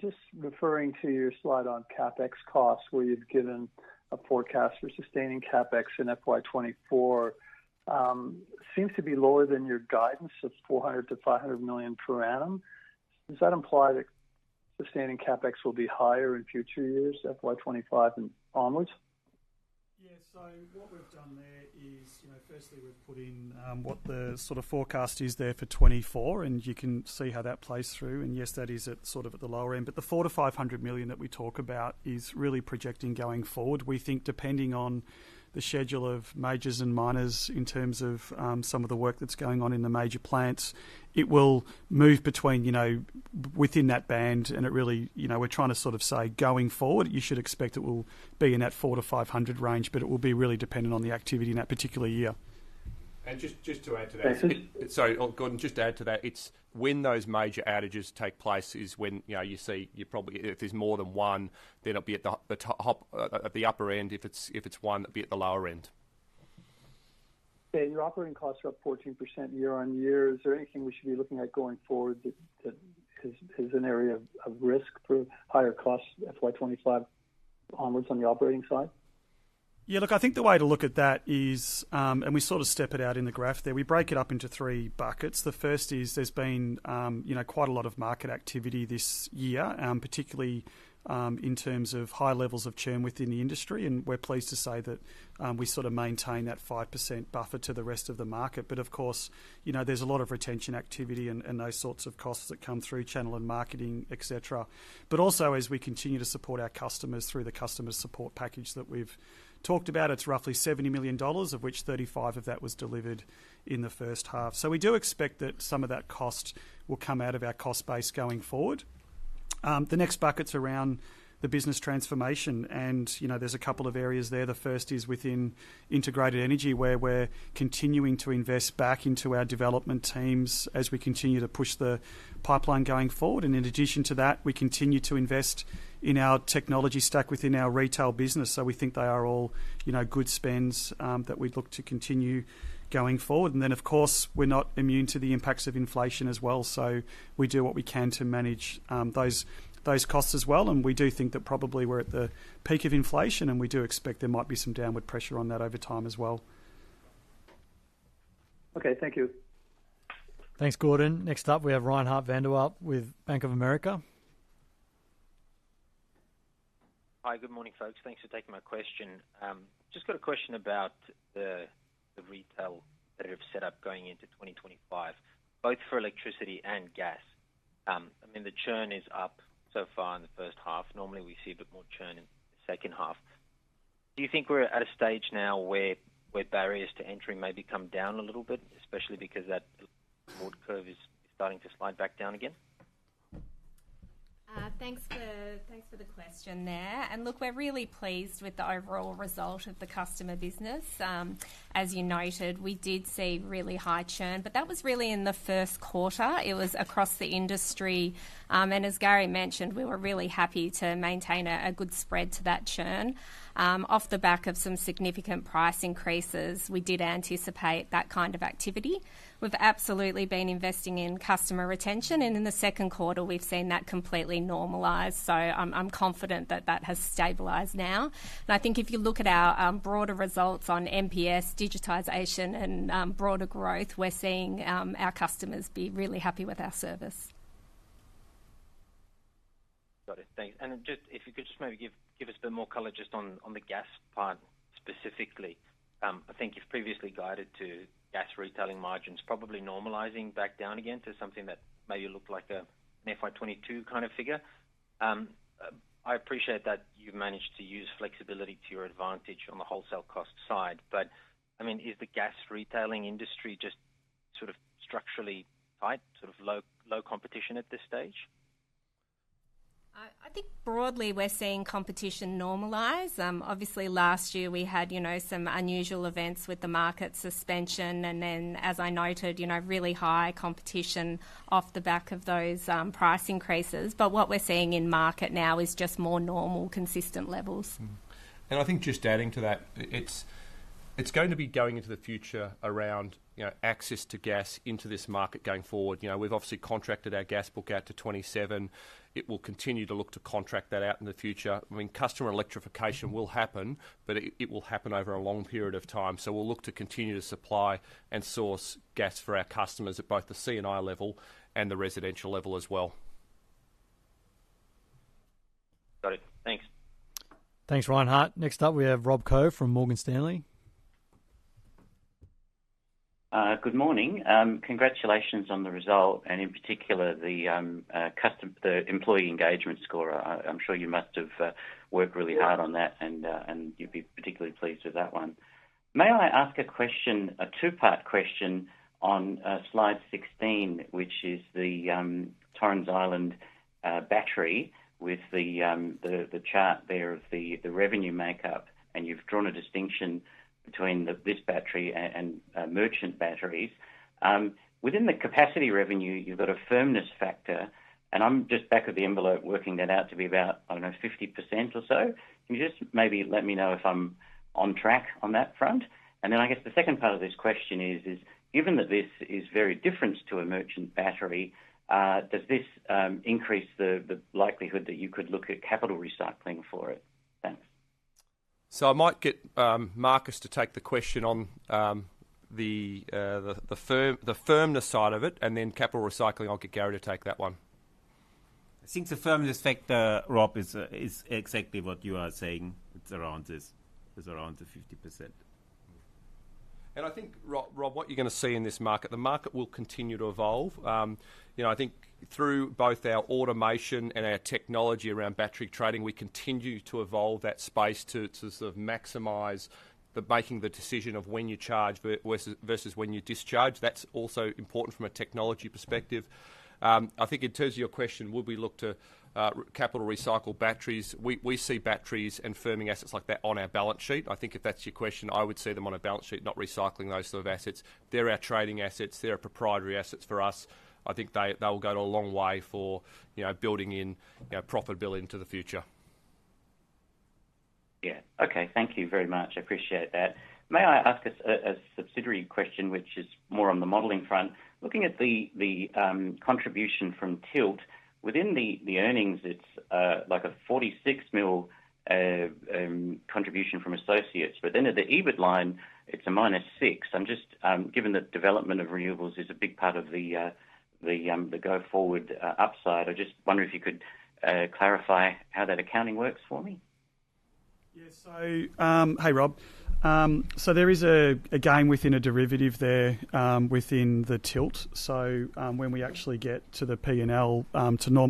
Just referring to your slide on CapEx costs, where you've given a forecast for sustaining CapEx in FY 2024, seems to be lower than your guidance of 400 million-500 million per annum. Does that imply that sustaining CapEx will be higher in future years, FY 2025 and onwards? Yeah, so what we've done there is, you know, firstly, we've put in what the sort of forecast is there for 2024, and you can see how that plays through. And yes, that is sort of at the lower end, but the 400 million-500 million that we talk about is really projecting going forward. We think, depending on the schedule of majors and minors, in terms of some of the work that's going on in the major plants, it will move between, you know, within that band, and it really... You know, we're trying to sort of say, going forward, you should expect it will be in that 400 million-500 million range, but it will be really dependent on the activity in that particular year. Just to add to that- Thanks. Sorry, oh, Gordon, just to add to that, it's when those major outages take place is when, you know, you see you probably—if there's more than one, then it'll be at the top, at the upper end. If it's one, it'll be at the lower end. Yeah, your operating costs are up 14% year-on-year. Is there anything we should be looking at going forward that is an area of risk for higher costs, FY 2025 onwards on the operating side? Yeah, look, I think the way to look at that is, and we sort of step it out in the graph there. We break it up into three buckets. The first is, there's been, you know, quite a lot of market activity this year, particularly, in terms of high levels of churn within the industry, and we're pleased to say that, we sort of maintain that 5% buffer to the rest of the market. But of course, you know, there's a lot of retention activity and those sorts of costs that come through channel and marketing, et cetera. But also, as we continue to support our customers through the customer support package that we've talked about, it's roughly 70 million dollars, of which 35 million of that was delivered in the 1st half. So we do expect that some of that cost will come out of our cost base going forward. The next bucket's around the business transformation, and, you know, there's a couple of areas there. The first is within integrated energy, where we're continuing to invest back into our development teams as we continue to push the pipeline going forward. And in addition to that, we continue to invest in our technology stack within our retail business. So we think they are all, you know, good spends, that we'd look to continue going forward. And then, of course, we're not immune to the impacts of inflation as well, so we do what we can to manage those costs as well, and we do think that probably we're at the peak of inflation, and we do expect there might be some downward pressure on that over time as well. Okay, thank you. Thanks, Gordon. Next up, we have Reinhardt van der Walt with Bank of America. Hi, good morning, folks. Thanks for taking my question. Just got a question about the retail that you've set up going into 2025, both for electricity and gas. I mean, the churn is up so far in the 1st half. Normally, we see a bit more churn in the 2nd half. Do you think we're at a stage now where barriers to entry maybe come down a little bit, especially because that duck curve is starting to slide back down again? Thanks for the question there. Look, we're really pleased with the overall result of the customer business. As you noted, we did see really high churn, but that was really in the first quarter. It was across the industry. And as Gary mentioned, we were really happy to maintain a good spread to that churn. Off the back of some significant price increases, we did anticipate that kind of activity. We've absolutely been investing in customer retention, and in the second quarter, we've seen that completely normalize. So I'm confident that has stabilized now. And I think if you look at our broader results on NPS, digitization, and broader growth, we're seeing our customers be really happy with our service. Got it. Thanks. And then just if you could maybe give us a bit more color just on the gas part specifically. I think you've previously guided to gas retailing margins probably normalizing back down again to something that maybe looked like an FY 2022 kind of figure. I appreciate that you've managed to use flexibility to your advantage on the wholesale cost side, but I mean, is the gas retailing industry just sort of structurally tight, sort of low competition at this stage? I think broadly we're seeing competition normalize. Obviously last year we had, you know, some unusual events with the market suspension and then, as I noted, you know, really high competition off the back of those, price increases. But what we're seeing in market now is just more normal, consistent levels. Mm-hmm. I think just adding to that, it's going to be going into the future around, you know, access to gas into this market going forward. You know, we've obviously contracted our gas book out to 2027. It will continue to look to contract that out in the future. I mean, customer electrification will happen, but it will happen over a long period of time. So we'll look to continue to supply and source gas for our customers at both the C&I level and the residential level as well. Got it. Thanks. Thanks, Reinhardt. Next up, we have Rob Koh from Morgan Stanley. Good morning. Congratulations on the result, and in particular, the employee engagement score. I'm sure you must have worked really hard on that, and you'd be particularly pleased with that one. May I ask a question, a two-part question on slide 16, which is the Torrens Island Battery with the chart there of the revenue makeup, and you've drawn a distinction between this battery and merchant batteries. Within the capacity revenue, you've got a firming factor, and I'm just back of the envelope working that out to be about, I don't know, 50% or so. Can you just maybe let me know if I'm on track on that front? And then I guess the 2nd part of this question is, even though this is very different to a merchant battery, does this increase the likelihood that you could look at capital recycling for it? Thanks. I might get Markus to take the question on the firmness side of it, and then capital recycling, I'll get Gary to take that one. I think the firmness factor, Rob, is exactly what you are saying. It's around this, it's around the 50%. I think, Rob, what you're going to see in this market, the market will continue to evolve. You know, I think through both our automation and our technology around battery trading, we continue to evolve that space to sort of maximize the making the decision of when you charge versus when you discharge. That's also important from a technology perspective. I think in terms of your question, would we look to capital recycle batteries? We see batteries and firming assets like that on our balance sheet. I think if that's your question, I would see them on a balance sheet, not recycling those sort of assets. They're our trading assets. They're our proprietary assets for us. I think they will go a long way for, you know, building in, you know, profitability into the future. Yeah. Okay, thank you very much. I appreciate that. May I ask a subsidiary question, which is more on the modeling front? Looking at the contribution from Tilt within the earnings, it's like a 46 million contribution from associates, but then at the EBIT line, it's a -6 million. I'm just given that development of renewables is a big part of the go-forward upside, I just wonder if you could clarify how that accounting works for me? Yeah. So, Hey, Rob. So there is a, a gain within a derivative there, within the Tilt. So, when we actually get to the P&L,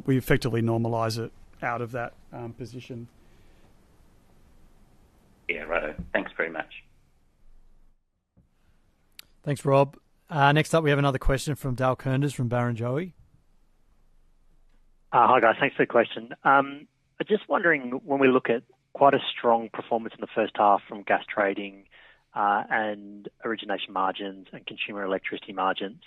we effectively normalize it out of that position. Yeah, righto. Thanks very much.... Thanks, Rob. Next up, we have another question from Dale Koenders from Barrenjoey. Hi, guys. Thanks for the question. I'm just wondering, when we look at quite a strong performance in the 1st half from gas trading, and origination margins and consumer electricity margins,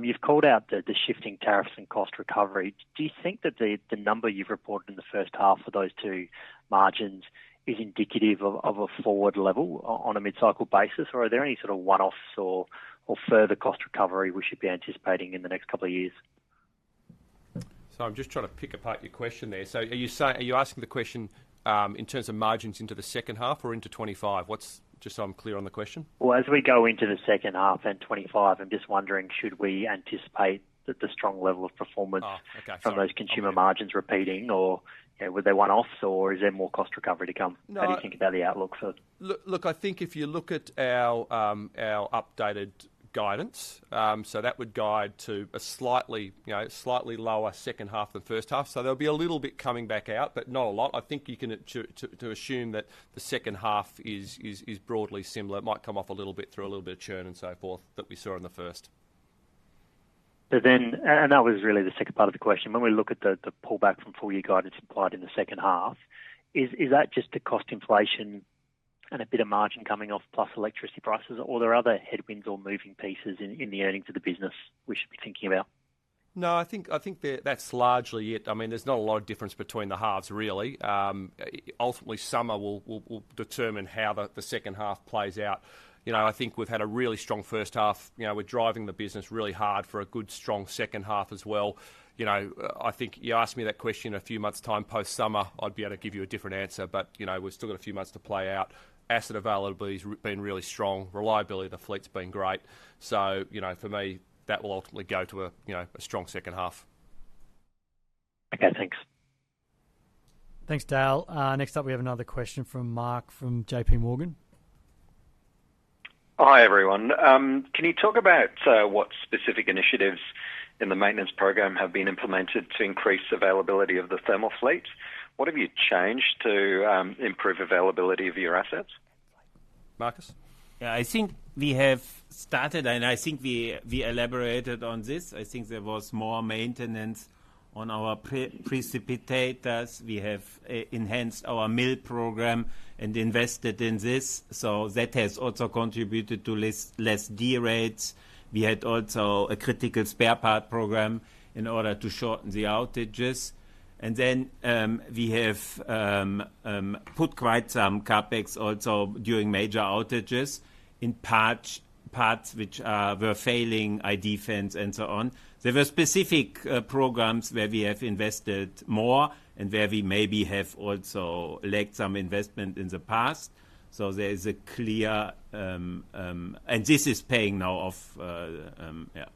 you've called out the, the shifting tariffs and cost recovery. Do you think that the, the number you've reported in the 1st half for those two margins is indicative of, of a forward level on a mid-cycle basis, or are there any sort of one-offs or, or further cost recovery we should be anticipating in the next couple of years? So I'm just trying to pick apart your question there. So are you asking the question, in terms of margins into the 2nd half or into 2025? What's... Just so I'm clear on the question. Well, as we go into the 2nd half and 2025, I'm just wondering: should we anticipate that the strong level of performance- Oh, okay. -from those consumer margins repeating, or, you know, were they one-offs, or is there more cost recovery to come? No. How do you think about the outlook for- Look, look, I think if you look at our, our updated guidance, so that would guide to a slightly, you know, slightly lower 2nd half than 1st half. So there'll be a little bit coming back out, but not a lot. I think you can to assume that the 2nd half is broadly similar. It might come off a little bit through a little bit of churn and so forth, that we saw in the 1st. that was really the 2nd part of the question: when we look at the pullback from full-year guidance applied in the 2nd half, is that just the cost inflation and a bit of margin coming off, plus electricity prices, or are there other headwinds or moving pieces in the earnings of the business we should be thinking about? No, I think, I think that, that's largely it. I mean, there's not a lot of difference between the halves, really. Ultimately, summer will determine how the 2nd half plays out. You know, I think we've had a really strong 1st half. You know, we're driving the business really hard for a good, strong 2nd half as well. You know, I think you ask me that question in a few months' time, post-summer, I'd be able to give you a different answer, but, you know, we've still got a few months to play out. Asset availability's been really strong. Reliability of the fleet's been great. So, you know, for me, that will ultimately go to a strong 2nd half. Okay, thanks. Thanks, Dale. Next up, we have another question from Mark, from JP Morgan. Hi, everyone. Can you talk about what specific initiatives in the maintenance program have been implemented to increase availability of the thermal fleet? What have you changed to improve availability of your assets? Markus? Yeah, I think we have started, and I think we elaborated on this. I think there was more maintenance on our precipitators. We have enhanced our mill program and invested in this, so that has also contributed to less derates. We had also a critical spare part program in order to shorten the outages, and then we have put quite some CapEx also during major outages in parts which were failing, ID fans and so on. There were specific programs where we have invested more and where we maybe have also lacked some investment in the past. So there is a clear... And this is paying now off, yeah.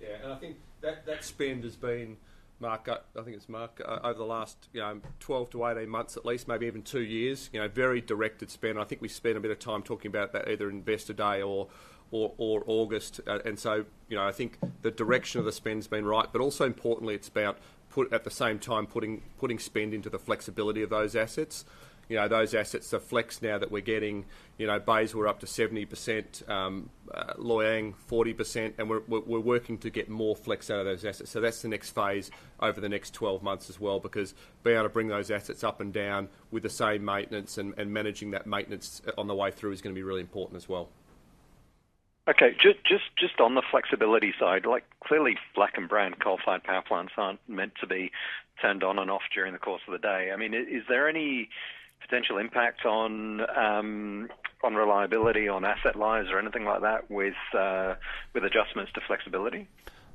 Yeah, and I think that spend has been, Mark, I think it's Mark, over the last, you know, 12-18 months at least, maybe even two years, you know, very directed spend, and I think we spent a bit of time talking about that, either in Investor Day or August. And so, you know, I think the direction of the spend's been right, but also importantly, it's about putting spend into the flexibility of those assets at the same time. You know, those assets are flexed now that we're getting. You know, Bayswater, we're up to 70%, Loy Yang, 40%, and we're working to get more flex out of those assets. So that's the next phase over the next 12 months as well, because being able to bring those assets up and down with the same maintenance and managing that maintenance on the way through is gonna be really important as well. Okay. Just on the flexibility side, like, clearly, black and brown coal-fired power plants aren't meant to be turned on and off during the course of the day. I mean, is there any potential impact on, on reliability, on asset lives, or anything like that with, with adjustments to flexibility?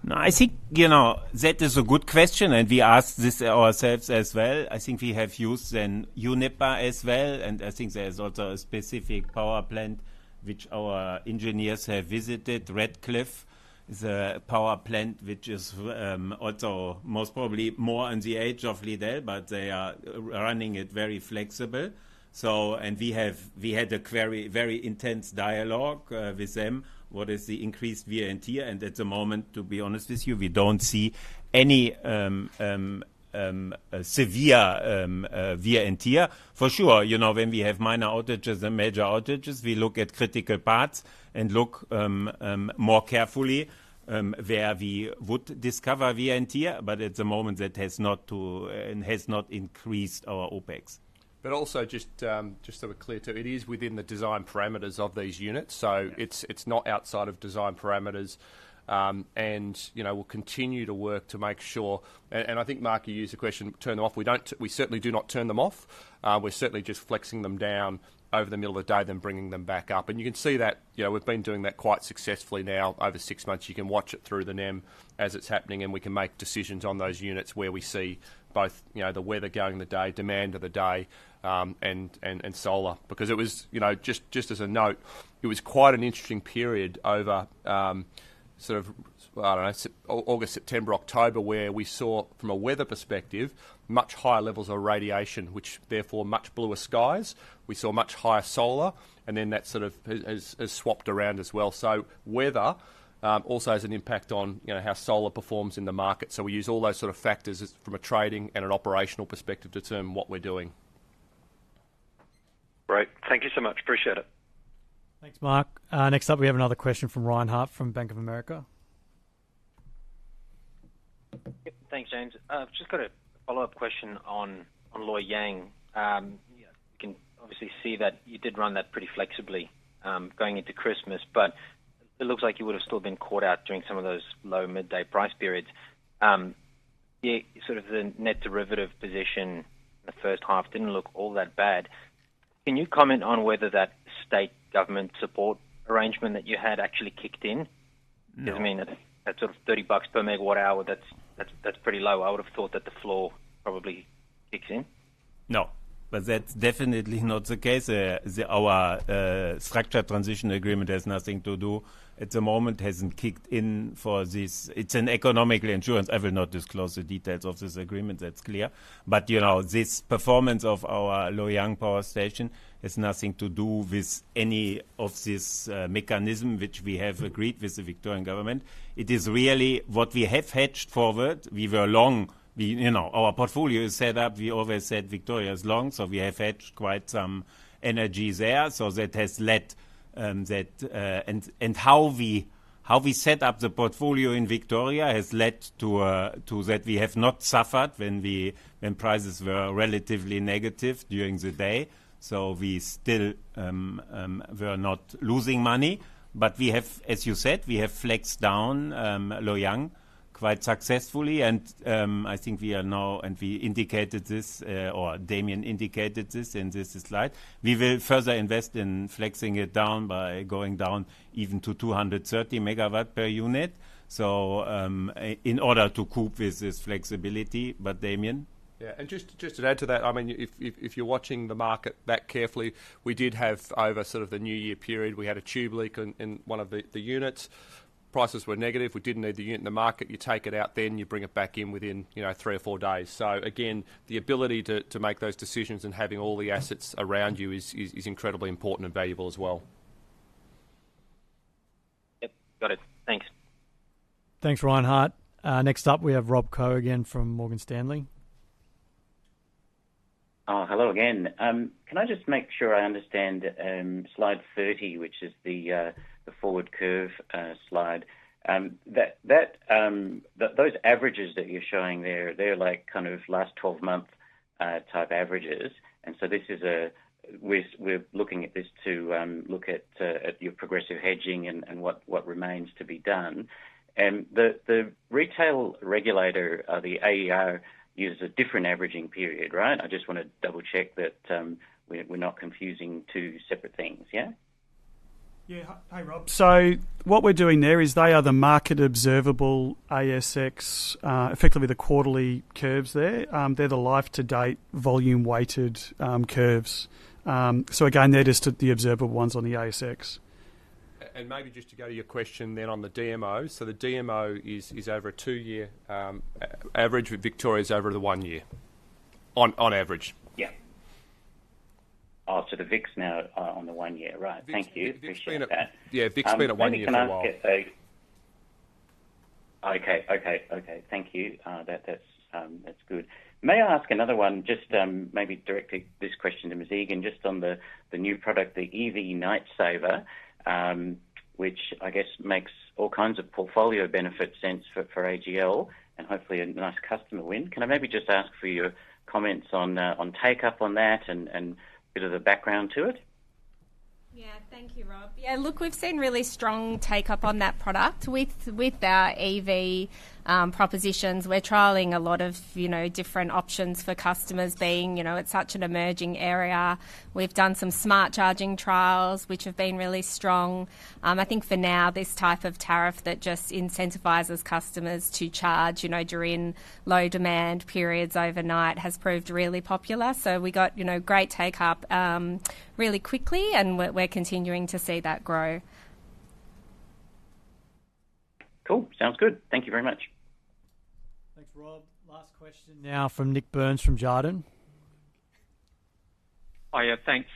No, I think, you know, that is a good question, and we asked this ourselves as well. I think we have used then Uniper as well, and I think there is also a specific power plant which our engineers have visited, Ratcliffe. The power plant, which is, also most probably more on the age of Liddell, but they are running it very flexible. And we had a very, very intense dialogue, with them. What is the increased wear and tear? And at the moment, to be honest with you, we don't see any, severe, wear and tear. For sure, you know, when we have minor outages and major outages, we look at critical parts and look more carefully where we would discover wear and tear, but at the moment, that has not to and has not increased our OpEx. Also just, just so we're clear, too, it is within the design parameters of these units. Yeah. So it's not outside of design parameters, and you know, we'll continue to work to make sure... and I think, Mark, you used the question, turn them off. We don't, we certainly do not turn them off. We're certainly just flexing them down over the middle of the day, then bringing them back up, and you can see that, you know, we've been doing that quite successfully now over six months. You can watch it through the NEM as it's happening, and we can make decisions on those units where we see both, you know, the weather going in the day, demand of the day, and solar. Because it was, you know, just, just as a note, it was quite an interesting period over, sort of, I don't know, August, September, October, where we saw, from a weather perspective, much higher levels of radiation, which therefore much bluer skies. We saw much higher solar, and then that sort of has, has swapped around as well. So weather, also has an impact on, you know, how solar performs in the market. So we use all those sort of factors as, from a trading and an operational perspective, to determine what we're doing. Great. Thank you so much. Appreciate it. Thanks, Mark. Next up, we have another question from Reinhardt from Bank of America. Yep. Thanks, James. I've just got a follow-up question on, on Loy Yang. You can obviously see that you did run that pretty flexibly, going into Christmas, but it looks like you would have still been caught out during some of those low midday price periods. The sort of the net derivative position in the 1st half didn't look all that bad. Can you comment on whether that state government support arrangement that you had actually kicked in? No. Because, I mean, at sort of 30 bucks per MWh, that's, that's, that's pretty low. I would have thought that the floor probably kicks in. No, but that's definitely not the case. Our Structured Transition Agreement has nothing to do. At the moment, it hasn't kicked in for this. It's an economic insurance. I will not disclose the details of this agreement. That's clear. But, you know, this performance of our Loy Yang Power Station has nothing to do with any of this, mechanism, which we have agreed with the Victorian Government. It is really what we have hedged forward. We were long... We, you know, our portfolio is set up. We always said Victoria is long, so we have hedged quite some energy there. So that has led. And, and how we, how we set up the portfolio in Victoria has led to, to that we have not suffered when we- when prices were relatively negative during the day. So we still, we are not losing money, but we have, as you said, we have flexed down, Loy Yang quite successfully, and, I think we are now, and we indicated this, or Damien indicated this in this slide. We will further invest in flexing it down by going down even to 230 MW per unit. So, in order to cope with this flexibility, but Damien? Yeah, and just, just to add to that, I mean, if, if, if you're watching the market that carefully, we did have over sort of the New Year period, we had a tube leak in, in one of the, the units. Prices were negative. We didn't need the unit in the market. You take it out, then, you bring it back in within, you know, three or four days. So again, the ability to make those decisions and having all the assets around you is incredibly important and valuable as well. Yep, got it. Thanks. Thanks, Reinhardt. Next up, we have Rob Koh again from Morgan Stanley. Hello again. Can I just make sure I understand slide 30, which is the forward curve slide. Those averages that you're showing there, they're like kind of last 12-month type averages, and so this is, we're looking at this to look at your progressive hedging and what remains to be done. And the retail regulator, the AER, uses a different averaging period, right? I just want to double-check that, we're not confusing two separate things, yeah? Yeah. Hi, Rob. So what we're doing there is they are the market observable ASX, effectively, the quarterly curves there. They're the life-to-date, volume-weighted, curves. So again, they're just the observable ones on the ASX. And maybe just to go to your question then on the DMO. So the DMO is over a two year average, with Victoria's over the one year, on average. Yeah. Oh, so the Vics now are on the one year. Right. Vics- Thank you. Appreciate that. Yeah, Vic's been at one year for a while. (crosstalk) Okay, okay, okay. Thank you. That, that's, that's good. May I ask another one, just maybe directing this question to Ms. Egan, just on the new product, the EV Night Saver, which I guess makes all kinds of portfolio benefits sense for AGL and hopefully a nice customer win. Can I maybe just ask for your comments on, on take-up on that and a bit of the background to it? Yeah. Thank you, Rob. Yeah, look, we've seen really strong take-up on that product. With our EV propositions, we're trialing a lot of, you know, different options for customers, being, you know, it's such an emerging area. We've done some smart charging trials, which have been really strong. I think for now, this type of tariff that just incentivizes customers to charge, you know, during low-demand periods overnight, has proved really popular. So we got, you know, great take-up really quickly, and we're continuing to see that grow. Cool! Sounds good. Thank you very much. Thanks, Rob. Last question now from Nik Burns, from Jarden. Hi, yeah, thanks,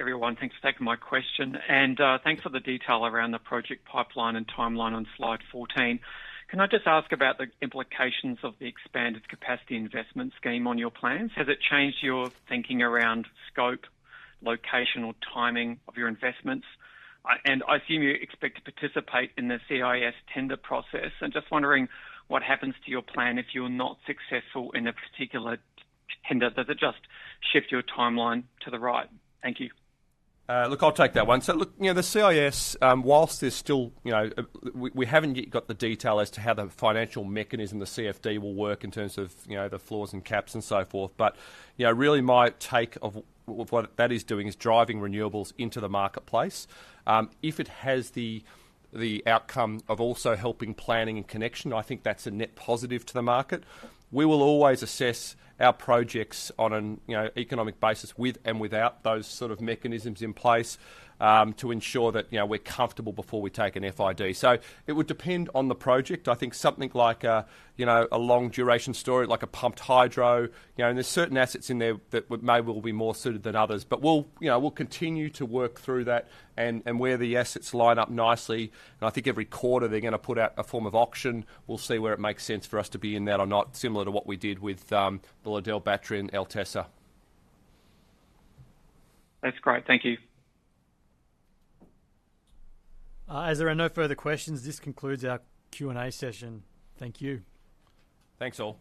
everyone. Thanks for taking my question, and, thanks for the detail around the project pipeline and timeline on slide 14. Can I just ask about the implications of the expanded Capacity Investment Scheme on your plans? Has it changed your thinking around scope, location, or timing of your investments? And I assume you expect to participate in the CIS tender process. I'm just wondering what happens to your plan if you're not successful in a particular tender. Does it just shift your timeline to the right? Thank you. Look, I'll take that one. So look, you know, the CIS, while there's still, you know... We haven't yet got the detail as to how the financial mechanism, the CFD, will work in terms of, you know, the floors and caps and so forth. But, you know, really my take of what that is doing is driving renewables into the marketplace. If it has the, the outcome of also helping planning and connection, I think that's a net positive to the market. We will always assess our projects on an, you know, economic basis, with and without those sort of mechanisms in place, to ensure that, you know, we're comfortable before we take an FID. So it would depend on the project. I think something like a, you know, a long-duration storage, like a pumped hydro, you know, and there's certain assets in there that maybe will be more suited than others. But we'll, you know, we'll continue to work through that, and where the assets line up nicely, and I think every quarter, they're going to put out a form of auction. We'll see where it makes sense for us to be in that or not, similar to what we did with the Liddell Battery and LTESA. That's great. Thank you. As there are no further questions, this concludes our Q&A session. Thank you. Thanks, all.